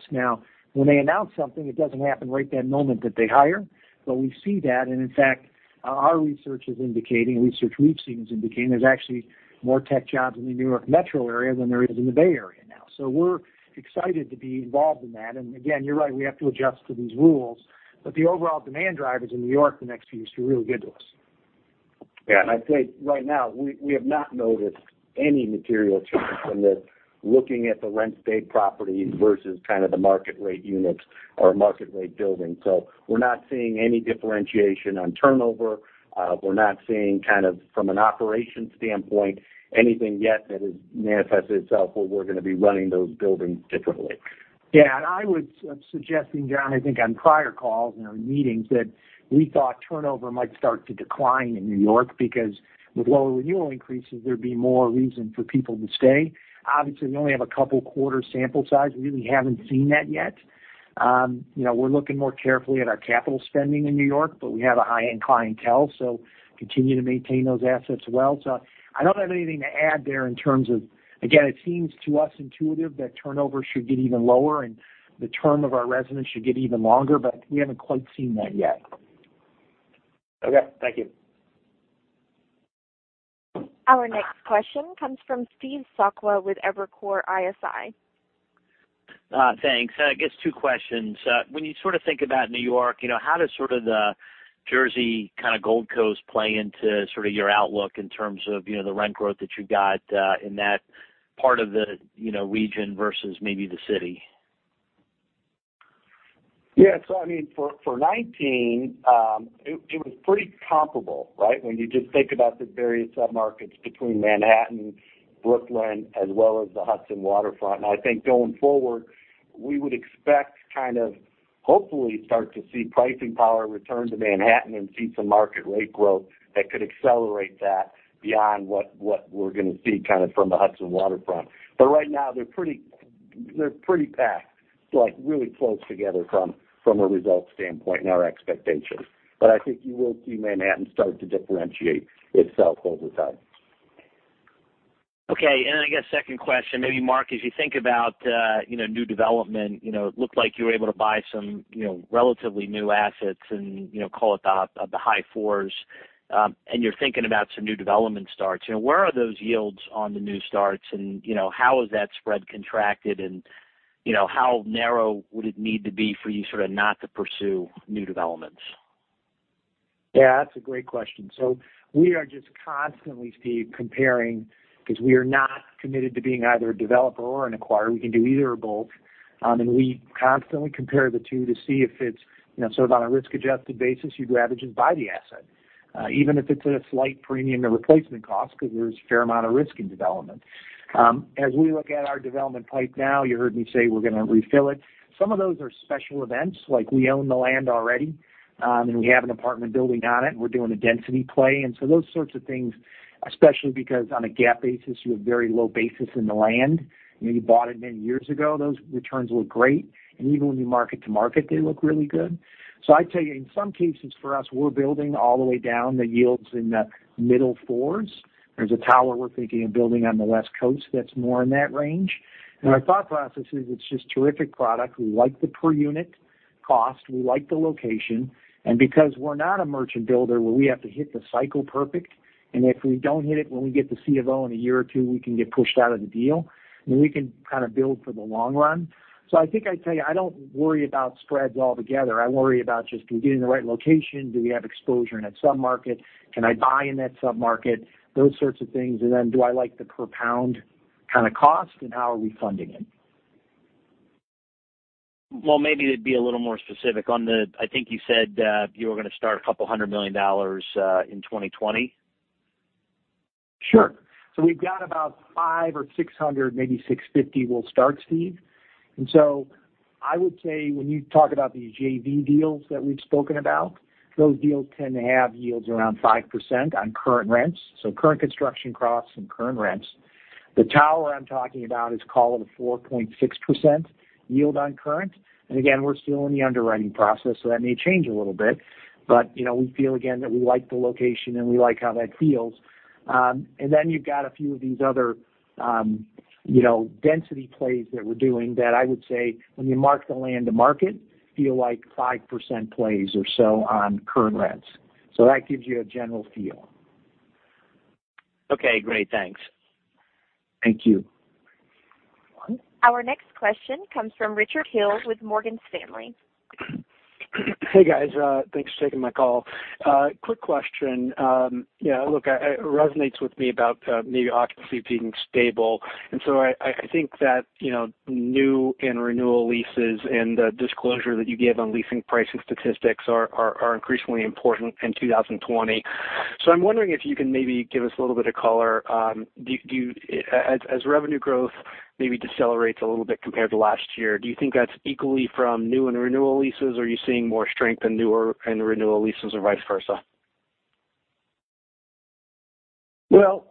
When they announce something, it doesn't happen right that moment that they hire. We see that, and in fact, our research is indicating, research we've seen is indicating there's actually more tech jobs in the New York metro area than there is in the Bay Area now. We're excited to be involved in that. Again, you're right, we have to adjust to these rules, but the overall demand drivers in New York the next few years are real good to us. Yeah. I'd say right now, we have not noticed any material change from this, looking at the rent state properties versus kind of the market rate units or market rate building. We're not seeing any differentiation on turnover. We're not seeing kind of from an operation standpoint anything yet that has manifested itself where we're going to be running those buildings differently. I was suggesting, John, I think on prior calls and our meetings that we thought turnover might start to decline in New York because with lower renewal increases, there'd be more reason for people to stay. Obviously, we only have a couple quarter sample size. We really haven't seen that yet. We're looking more carefully at our capital spending in New York, but we have a high-end clientele, so continue to maintain those assets well. I don't have anything to add there. Again, it seems to us intuitive that turnover should get even lower and the term of our residents should get even longer, but we haven't quite seen that yet. Okay. Thank you. Our next question comes from Steve Sakwa with Evercore ISI. Thanks. I guess two questions. When you sort of think about New York, how does sort of the Jersey kind of Gold Coast play into sort of your outlook in terms of the rent growth that you got in that part of the region versus maybe the city? I mean, for 2019, it was pretty comparable, right? When you just think about the various sub-markets between Manhattan, Brooklyn, as well as the Hudson Waterfront. I think going forward, we would expect kind of hopefully start to see pricing power return to Manhattan and see some market rate growth that could accelerate that beyond what we're going to see kind of from the Hudson waterfront. Right now, they're pretty packed, like really close together from a results standpoint and our expectations. I think you will see Manhattan start to differentiate itself over time. I guess second question, maybe Mark, as you think about new development, it looked like you were able to buy some relatively new assets in, call it the high fours, and you're thinking about some new development starts. Where are those yields on the new starts and how is that spread contracted and how narrow would it need to be for you sort of not to pursue new developments? Yeah, that's a great question. We are just constantly, Steve, comparing because we are not committed to being either a developer or an acquirer. We can do either or both. We constantly compare the two to see if it's sort of on a risk-adjusted basis, you'd rather just buy the asset, even if it's at a slight premium to replacement cost, because there's a fair amount of risk in development. As we look at our development pipe now, you heard me say we're going to refill it. Some of those are special events, like we own the land already, and we have an apartment building on it, and we're doing a density play. Those sorts of things, especially because on a GAAP basis, you have very low basis in the land. You bought it many years ago. Those returns look great. Even when you mark it to market, they look really good. I'd tell you, in some cases for us, we're building all the way down the yields in the middle fours. There's a tower we're thinking of building on the West Coast that's more in that range. Our thought process is it's just terrific product. We like the per unit cost. We like the location. Because we're not a merchant builder where we have to hit the cycle perfect, and if we don't hit it when we get to CO in a year or two, we can get pushed out of the deal, and we can kind of build for the long run. I think I'd tell you, I don't worry about spreads altogether. I worry about just, can we get in the right location? Do we have exposure in that sub-market? Can I buy in that sub-market? Those sorts of things. Do I like the per pound kind of cost? How are we funding it? Well, maybe to be a little more specific. I think you said, you were going to start a couple hundred million dollars in 2020. Sure. We've got about five or 600, maybe 650 we'll start, Steve. I would say when you talk about these JV deals that we've spoken about, those deals tend to have yields around five percent on current rents. Current construction costs and current rents. The tower I'm talking about is call it a four point six percent yield on current. Again, we're still in the underwriting process, so that may change a little bit. We feel, again, that we like the location, and we like how that feels. You've got a few of these other density plays that we're doing that I would say when you mark the land to market, feel like five percent plays or so on current rents. That gives you a general feel. Okay, great. Thanks. Thank you. Our next question comes from Richard Hill with Morgan Stanley. Hey, guys. Thanks for taking my call. Quick question. Yeah, look, it resonates with me about maybe occupancy being stable. I think that new and renewal leases and the disclosure that you gave on leasing pricing statistics are increasingly important in 2020. I'm wondering if you can maybe give us a little bit of color. As revenue growth maybe decelerates a little bit compared to last year, do you think that's equally from new and renewal leases? Are you seeing more strength in newer and renewal leases or vice versa? Well,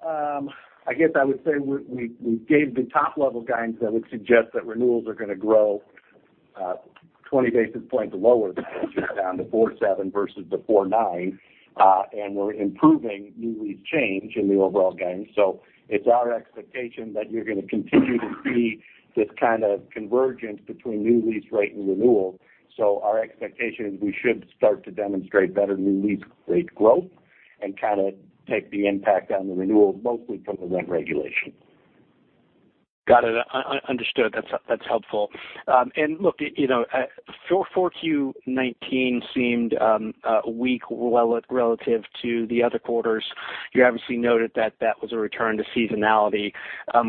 I guess I would say we gave the top-level guidance that would suggest that renewals are going to grow 20 basis points lower than what you found, the four seven versus the four nine. We're improving new lease change in the overall guidance. It's our expectation that you're going to continue to see this kind of convergence between new lease rate and renewal. Our expectation is we should start to demonstrate better new lease rate growth and kind of take the impact on the renewal mostly from the rent regulation. Got it. Understood. That's helpful. Look, 4Q 2019 seemed weak relative to the other quarters. You obviously noted that that was a return to seasonality.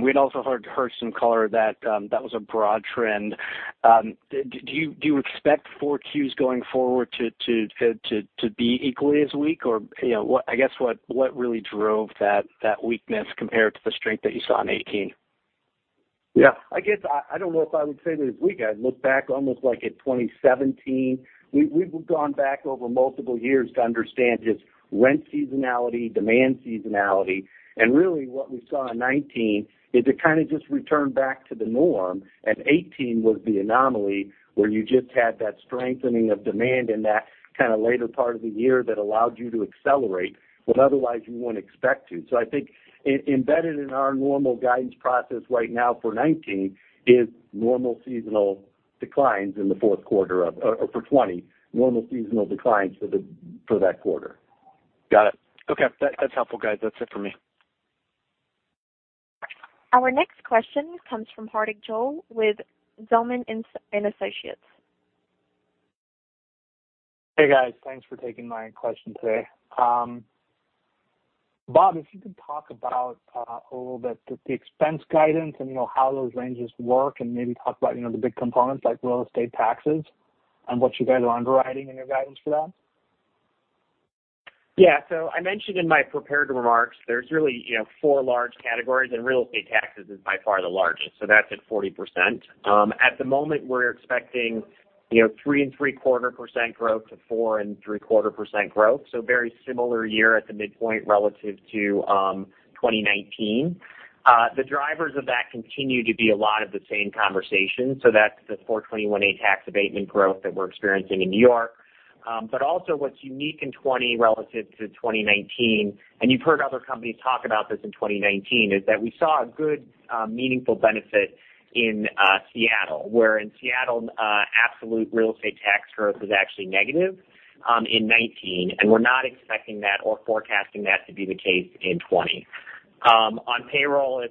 We'd also heard some color that that was a broad trend. Do you expect 4Qs going forward to be equally as weak? I guess what really drove that weakness compared to the strength that you saw in 2018? Yeah. I don't know if I would say that it's weak. I'd look back almost like at 2017. We've gone back over multiple years to understand just rent seasonality, demand seasonality, and really what we saw in 2019 is it kind of just returned back to the norm, and 2018 was the anomaly, where you just had that strengthening of demand in that kind of later part of the year that allowed you to accelerate what otherwise you wouldn't expect to. I think embedded in our normal guidance process right now for 2019 is normal seasonal declines in the fourth quarter or for 2020, normal seasonal declines for that quarter. Got it. Okay. That's helpful, guys. That's it for me. Our next question comes from Hardik Goel with Zelman & Associates. Hey, guys. Thanks for taking my question today. Bob, if you could talk about a little bit the expense guidance and how those ranges work and maybe talk about the big components like real estate taxes and what you guys are underwriting in your guidance for that? I mentioned in my prepared remarks, there's really four large categories, and real estate taxes is by far the largest, that's at 40%. At the moment, we're expecting three three quarter percent growth, four three quarter percent growth. Very similar year at the midpoint relative to 2019. The drivers of that continue to be a lot of the same conversation. That's the 421-a tax abatement growth that we're experiencing in New York. Also what's unique in 2020 relative to 2019, you've heard other companies talk about this in 2019, is that we saw a good, meaningful benefit in Seattle, where in Seattle, absolute real estate tax growth was actually negative in 2019. We're not expecting that or forecasting that to be the case in 2020. On payroll,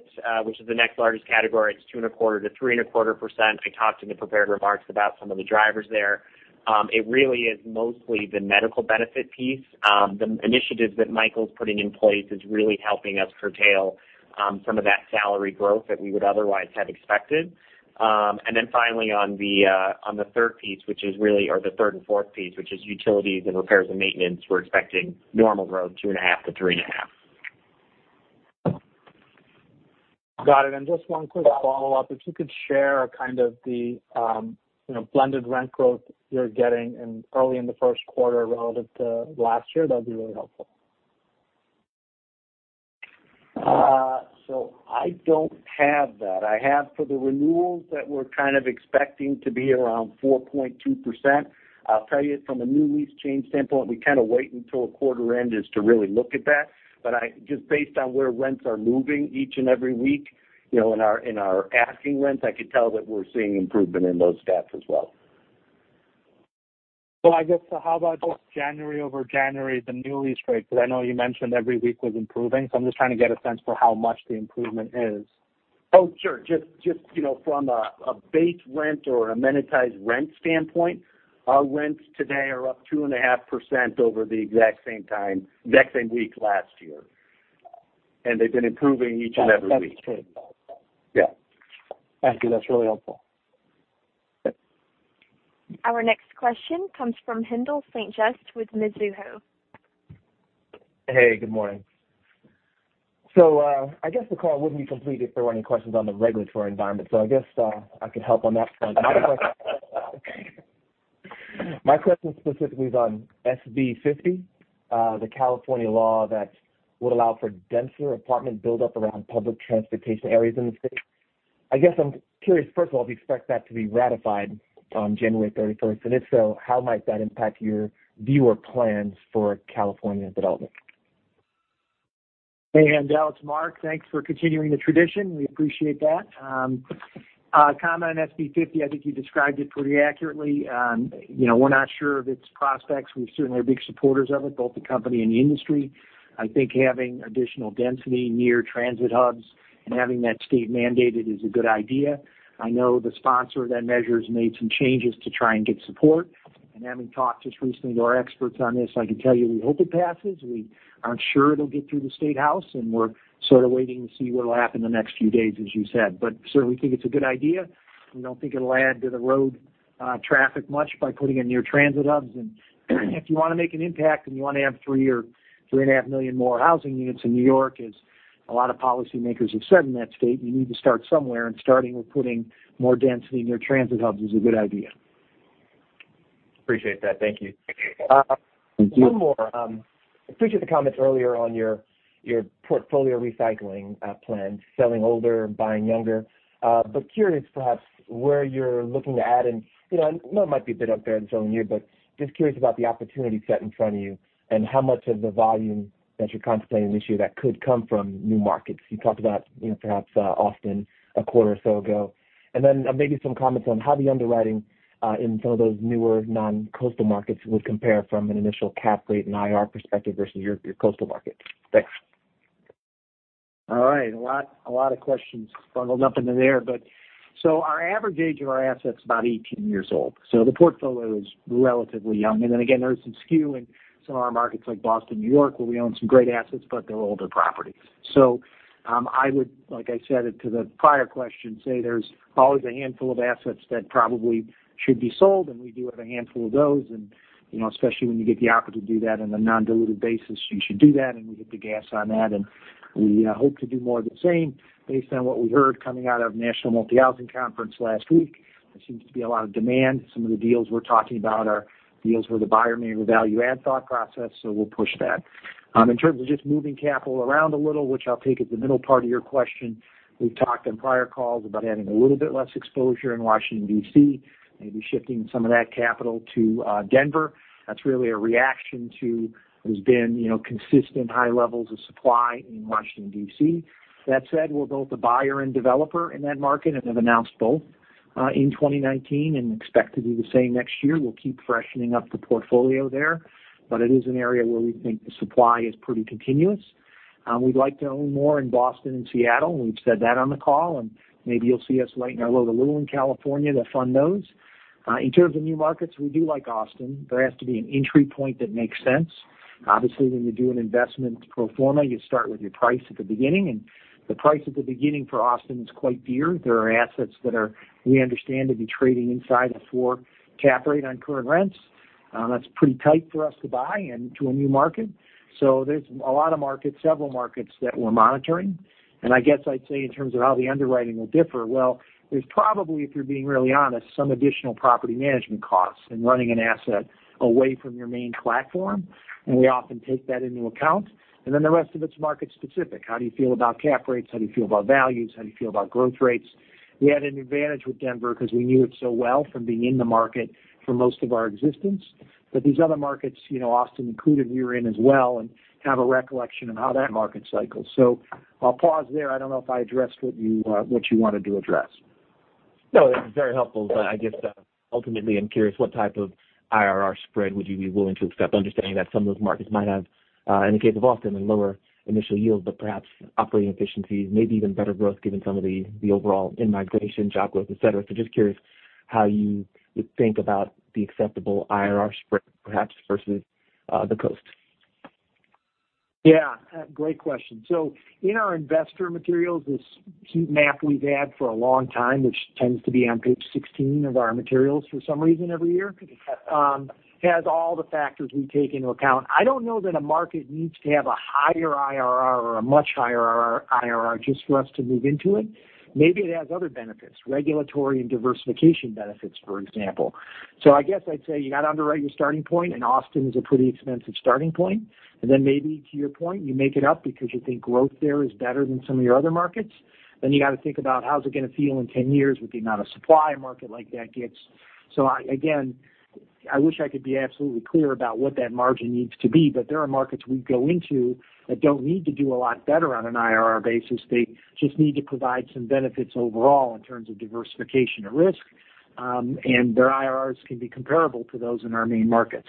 which is the next largest category, it's two quarter to three quarter percent. I talked in the prepared remarks about some of the drivers there. It really is mostly the medical benefit piece. The initiatives that Michael's putting in place is really helping us curtail some of that salary growth that we would otherwise have expected. Then finally on the third and fourth piece, which is utilities and repairs and maintenance, we're expecting normal growth, two and a half and three and a half. Got it. Just one quick follow-up. If you could share kind of the blended rent growth you're getting early in the first quarter relative to last year, that'd be really helpful. I don't have that. I have for the renewals that we're kind of expecting to be around four point two percent. I'll tell you from a new lease change standpoint, we kind of wait until a quarter end is to really look at that. Just based on where rents are moving each and every week, in our asking rents, I could tell that we're seeing improvement in those stats as well. I guess how about just January over January, the new lease rate? I know you mentioned every week was improving, so I'm just trying to get a sense for how much the improvement is. Oh, sure. Just from a base rent or a monetized rent standpoint, our rents today are up two and a half over the exact same week last year. They've been improving each and every week. Yeah. Thank you. That's really helpful. Our next question comes from Haendel St. Juste with Mizuho. Hey, good morning. I guess the call wouldn't be complete if there weren't any questions on the regulatory environment. I guess I could help on that front. My question specifically is on SB 50, the California law that would allow for denser apartment build-up around public transportation areas in the state. I guess I'm curious, first of all, if you expect that to be ratified on January 31st, and if so, how might that impact your future plans for California development? Hey, Haendel. It's Mark. Thanks for continuing the tradition. We appreciate that. A comment on SB 50. I think you described it pretty accurately. We're not sure of its prospects. We certainly are big supporters of it, both the company and the industry. I think having additional density near transit hubs and having that state mandated is a good idea. I know the sponsor of that measure has made some changes to try and get support. Having talked just recently to our experts on this, I can tell you we hope it passes. We aren't sure it'll get through the State House. We're sort of waiting to see what will happen in the next few days, as you said. Certainly think it's a good idea. We don't think it'll add to the road traffic much by putting in near transit hubs. If you want to make an impact and you want to add 3 or 3.5 million more housing units in New York, as a lot of policymakers have said in that state, you need to start somewhere, and starting with putting more density near transit hubs is a good idea. Appreciate that. Thank you. Thank you. One more. Appreciate the comments earlier on your portfolio recycling plans, selling older, buying younger. Curious perhaps where you're looking to add and, I know it might be a bit up there in terms of you, but just curious about the opportunity set in front of you and how much of the volume that you're contemplating this year that could come from new markets. You talked about perhaps Austin a quarter or so ago. Maybe some comments on how the underwriting in some of those newer non-coastal markets would compare from an initial cap rate and IR perspective versus your coastal markets. Thanks. All right. A lot of questions bundled up into there. Our average age of our assets is about 18 years old. The portfolio is relatively young. Then again, there's some skew in some of our markets like Boston, New York, where we own some great assets, but they're older properties. I would, like I said it to the prior question, say there's always a handful of assets that probably should be sold, and we do have a handful of those. Especially when you get the opportunity to do that on a non-dilutive basis, you should do that, and we hit the gas on that. We hope to do more of the same based on what we heard coming out of National Multifamily Housing Council last week. There seems to be a lot of demand. Some of the deals we're talking about are deals where the buyer may have a value add thought process, so we'll push that. In terms of just moving capital around a little, which I'll take as the middle part of your question, we've talked on prior calls about having a little bit less exposure in Washington, D.C., maybe shifting some of that capital to Denver. That's really a reaction to what has been consistent high levels of supply in Washington, D.C. That said, we're both a buyer and developer in that market and have announced both in 2019 and expect to do the same next year. We'll keep freshening up the portfolio there. It is an area where we think the supply is pretty continuous. We'd like to own more in Boston and Seattle, and we've said that on the call, and maybe you'll see us lighten our load a little in California to fund those. In terms of new markets, we do like Austin. There has to be an entry point that makes sense. Obviously, when you do an investment pro forma, you start with your price at the beginning, and the price at the beginning for Austin is quite dear. There are assets that are, we understand, to be trading inside of four cap rate on current rents. That's pretty tight for us to buy into a new market. There's a lot of markets, several markets that we're monitoring, and I guess I'd say in terms of how the underwriting will differ, well, there's probably, if you're being really honest, some additional property management costs in running an asset away from your main platform, and we often take that into account. Then the rest of it's market specific. How do you feel about cap rates? How do you feel about values? How do you feel about growth rates? We had an advantage with Denver because we knew it so well from being in the market for most of our existence. These other markets, Austin included, we're in as well and have a recollection of how that market cycles. I'll pause there. I don't know if I addressed what you wanted to address. No, that was very helpful. I guess ultimately, I'm curious what type of IRR spread would you be willing to accept, understanding that some of those markets might have, in the case of Austin, a lower initial yield, but perhaps operating efficiencies, maybe even better growth given some of the overall in-migration, job growth, et cetera. Just curious how you would think about the acceptable IRR spread, perhaps, versus the coast. Yeah. Great question. In our investor materials, this heat map we've had for a long time, which tends to be on page 16 of our materials for some reason every year, has all the factors we take into account. I don't know that a market needs to have a higher IRR or a much higher IRR just for us to move into it. Maybe it has other benefits, regulatory and diversification benefits, for example. I guess I'd say you got to underwrite your starting point, and Austin is a pretty expensive starting point. Then maybe to your point, you make it up because you think growth there is better than some of your other markets. You got to think about how's it going to feel in 10 years with the amount of supply a market like that gets. Again, I wish I could be absolutely clear about what that margin needs to be, but there are markets we go into that don't need to do a lot better on an IRR basis. They just need to provide some benefits overall in terms of diversification of risk. Their IRRs can be comparable to those in our main markets.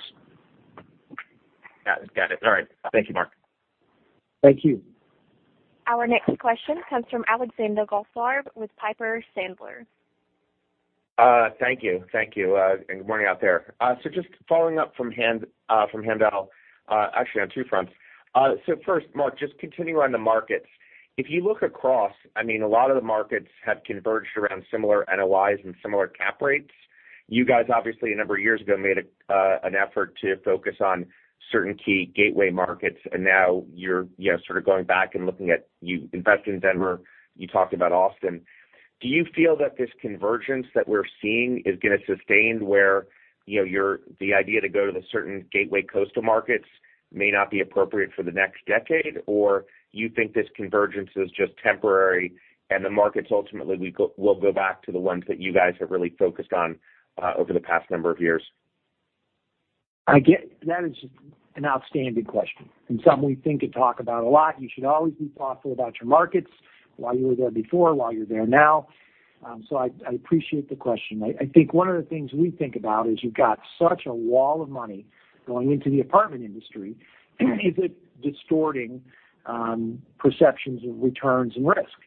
Got it. All right. Thank you, Mark. Thank you. Our next question comes from Alexander Goldfarb with Piper Sandler. Thank you. Good morning out there. Just following up from Haendel, actually on two fronts. First, Mark, just continuing on the markets. If you look across, a lot of the markets have converged around similar NOIs and similar cap rates. You guys, obviously, a number of years ago, made an effort to focus on certain key gateway markets, and now you're sort of going back and looking at, you invest in Denver, you talked about Austin. Do you feel that this convergence that we're seeing is going to sustain where the idea to go to the certain gateway coastal markets may not be appropriate for the next decade? You think this convergence is just temporary and the markets ultimately will go back to the ones that you guys have really focused on over the past number of years? That is an outstanding question and something we think and talk about a lot. You should always be thoughtful about your markets, why you were there before, why you're there now. I appreciate the question. I think one of the things we think about is you've got such a wall of money going into the apartment industry. Is it distorting perceptions of returns and risk?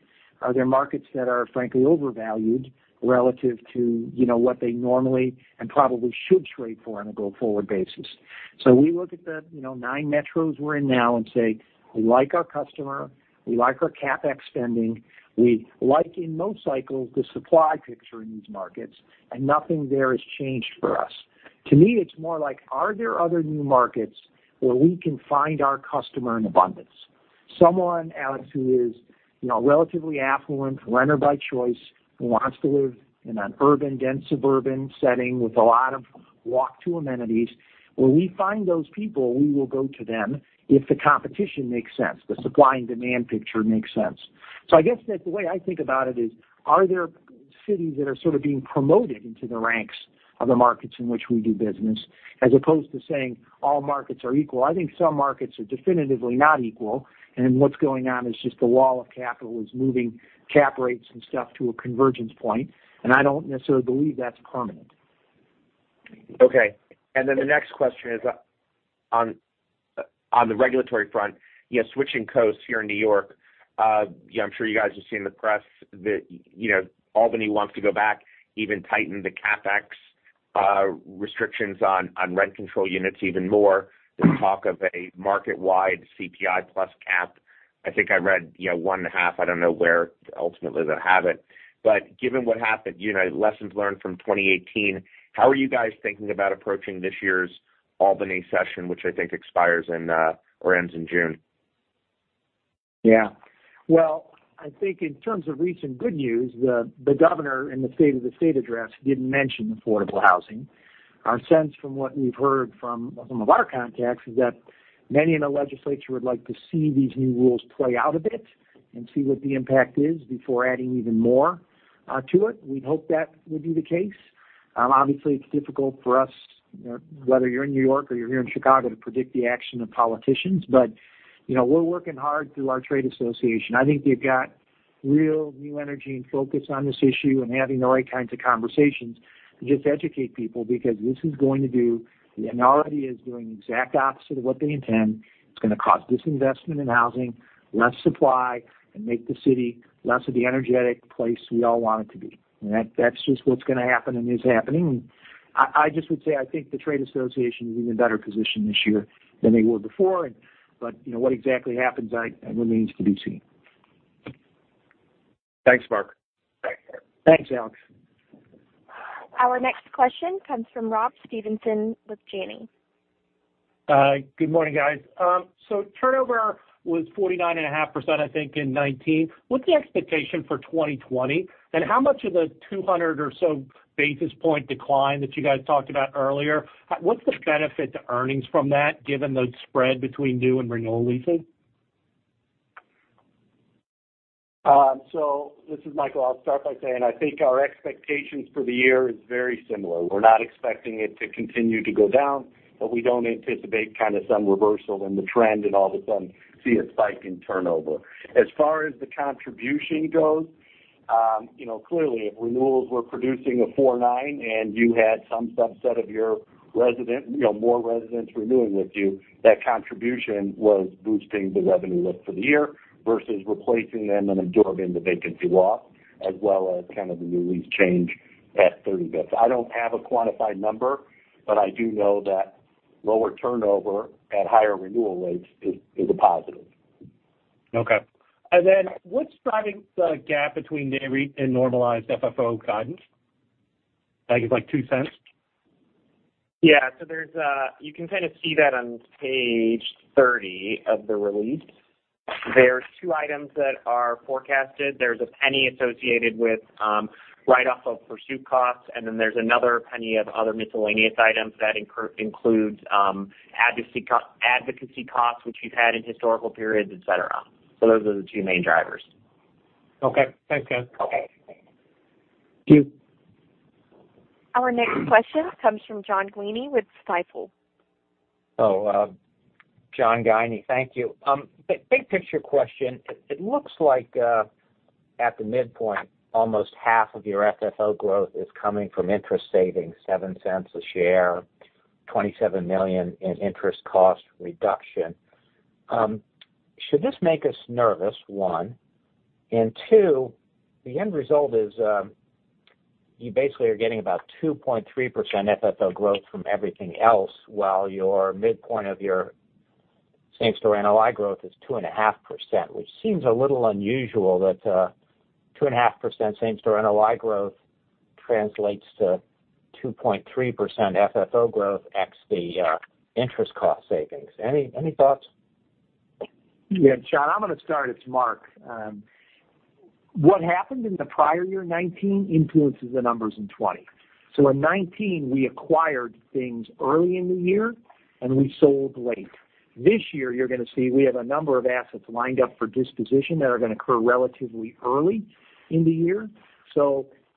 Are there markets that are frankly overvalued relative to what they normally and probably should trade for on a go-forward basis? We look at the nine metros we're in now and say, we like our customer, we like our CapEx spending, we like, in most cycles, the supply picture in these markets, and nothing there has changed for us. To me, it's more like, are there other new markets where we can find our customer in abundance? Someone, Alex, who is relatively affluent, renter by choice, who wants to live in an urban, dense suburban setting with a lot of walk-to amenities. Where we find those people, we will go to them if the competition makes sense, the supply and demand picture makes sense. I guess that the way I think about it is, are there cities that are sort of being promoted into the ranks of the markets in which we do business, as opposed to saying all markets are equal? I think some markets are definitively not equal, and what's going on is just the wall of capital is moving cap rates and stuff to a convergence point, and I don't necessarily believe that's permanent. Okay. The next question is on the regulatory front, switching coasts here in New York. I'm sure you guys have seen the press that Albany wants to go back, even tighten the CapEx restrictions on rent control units even more. There's talk of a market-wide CPI plus cap. I think I read year one and a half. I don't know where ultimately they'll have it. Given what happened, lessons learned from 2018, how are you guys thinking about approaching this year's Albany session, which I think expires in or ends in June? Yeah. Well, I think in terms of recent good news, the governor in the State of the State address did mention affordable housing. Our sense from what we've heard from some of our contacts is that many in the legislature would like to see these new rules play out a bit and see what the impact is before adding even more to it. We'd hope that would be the case. Obviously, it's difficult for us, whether you're in New York or you're here in Chicago, to predict the action of politicians. We're working hard through our trade association. I think they've got real new energy and focus on this issue and having the right kinds of conversations to just educate people, because this is going to do, and already is doing the exact opposite of what they intend. It's going to cause disinvestment in housing, less supply, and make the city less of the energetic place we all want it to be. That's just what's going to happen and is happening. I just would say, I think the trade association is in a better position this year than they were before. What exactly happens remains to be seen. Thanks, Mark. Thanks, Alex. Our next question comes from Rob Stevenson with Janney. Good morning, guys. Turnover was 49.5%, I think, in 2019. What's the expectation for 2020? How much of the 200 or so basis point decline that you guys talked about earlier, what's the benefit to earnings from that, given the spread between new and renewal leasing? This is Michael. I'll start by saying, I think our expectations for the year is very similar. We're not expecting it to continue to go down, but we don't anticipate some reversal in the trend and all of a sudden see a spike in turnover. As far as the contribution goes, clearly if renewals were producing a four nine and you had some subset of your resident, more residents renewing with you, that contribution was boosting the revenue lift for the year versus replacing them and absorbing the vacancy loss, as well as kind of the new lease change at 30 basis points. I don't have a quantified number, but I do know that lower turnover at higher renewal rates is a positive. Okay. What's driving the gap between NAVI and normalized FFO guidance? I think it's like $0.02. Yeah. You can kind of see that on page 30 of the release. There's two items that are forecasted. There's $0.01 associated with write-off of pursuit costs, and then there's another $0.01 of other miscellaneous items that includes advocacy costs, which we've had in historical periods, et cetera. Those are the two main drivers. Okay, thanks, guys. Okay. Thank you. Our next question comes from John Guinee with Stifel. John Guinee. Thank you. Big picture question. It looks like, at the midpoint, almost half of your FFO growth is coming from interest savings, $0.07 a share, $27 million in interest cost reduction. Should this make us nervous, one? Two, the end result is you basically are getting about two point three percent FFO growth from everything else, while your midpoint of your same-store NOI growth is two and a half percent, which seems a little unusual that two and a half percent same-store NOI growth translates to two point three percent FFO growth x the interest cost savings. Any thoughts? Yeah, John, I'm going to start. It's Mark. What happened in the prior year, 2019, influences the numbers in 2020. In 2019, we acquired things early in the year and we sold late. This year, you're going to see we have a number of assets lined up for disposition that are going to occur relatively early in the year.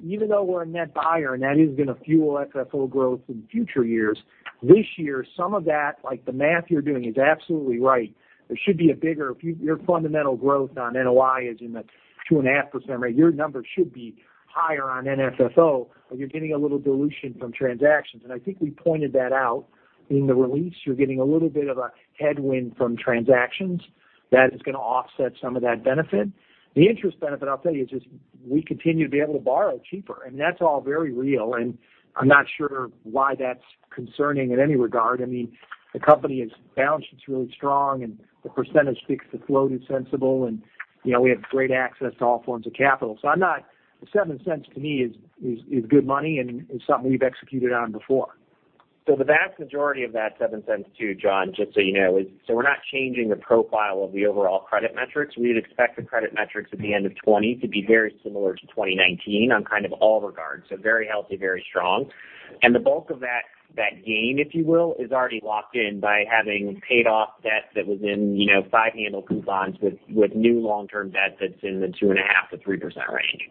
Even though we're a net buyer and that is going to fuel FFO growth in future years, this year, some of that, like the math you're doing is absolutely right. If your fundamental growth on NOI is in the two and a half rate, your numbers should be higher on NFFO, but you're getting a little dilution from transactions, and I think we pointed that out in the release. You're getting a little bit of a headwind from transactions. That is going to offset some of that benefit. The interest benefit, I'll tell you, is just we continue to be able to borrow cheaper, and that's all very real, and I'm not sure why that's concerning in any regard. I mean, the company is balanced, it's really strong, and the percentage fixed to float is sensible, and we have great access to all forms of capital. I'm not. $0.07 to me is good money and is something we've executed on before. The vast majority of that $0.07 too, John, just so you know, is so we're not changing the profile of the overall credit metrics. We'd expect the credit metrics at the end of 2020 to be very similar to 2019 on kind of all regards, very healthy, very strong. The bulk of that gain, if you will, is already locked in by having paid off debt that was in five handle coupons with new long-term debt that's in the two and a half to three percent range.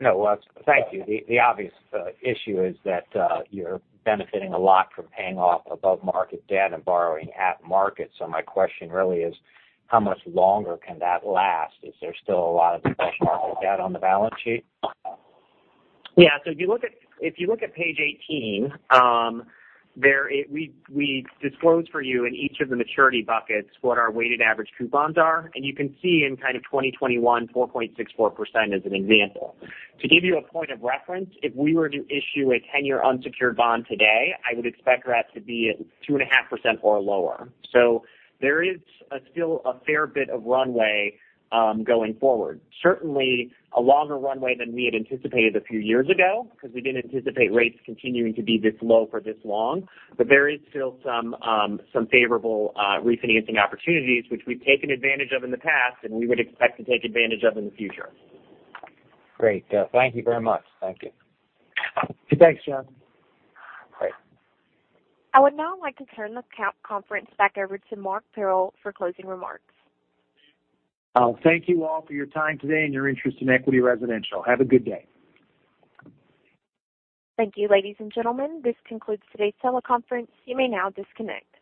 No. Thank you. The obvious issue is that you're benefiting a lot from paying off above-market debt and borrowing at market. My question really is how much longer can that last? Is there still a lot of above-market debt on the balance sheet? Yeah. If you look at page 18, we disclose for you in each of the maturity buckets what our weighted average coupons are, and you can see in kind of 2021, four point six four percent as an example. To give you a point of reference, if we were to issue a 10-year unsecured bond today, I would expect that to be at two and a half or lower. There is still a fair bit of runway going forward. Certainly a longer runway than we had anticipated a few years ago, because we didn't anticipate rates continuing to be this low for this long. There is still some favorable refinancing opportunities which we've taken advantage of in the past and we would expect to take advantage of in the future. Great. Thank you very much. Thank you. Thanks, John. Great. I would now like to turn the conference back over to Mark Parrell for closing remarks. Thank you all for your time today and your interest in Equity Residential. Have a good day. Thank you, ladies and gentlemen. This concludes today's teleconference. You may now disconnect.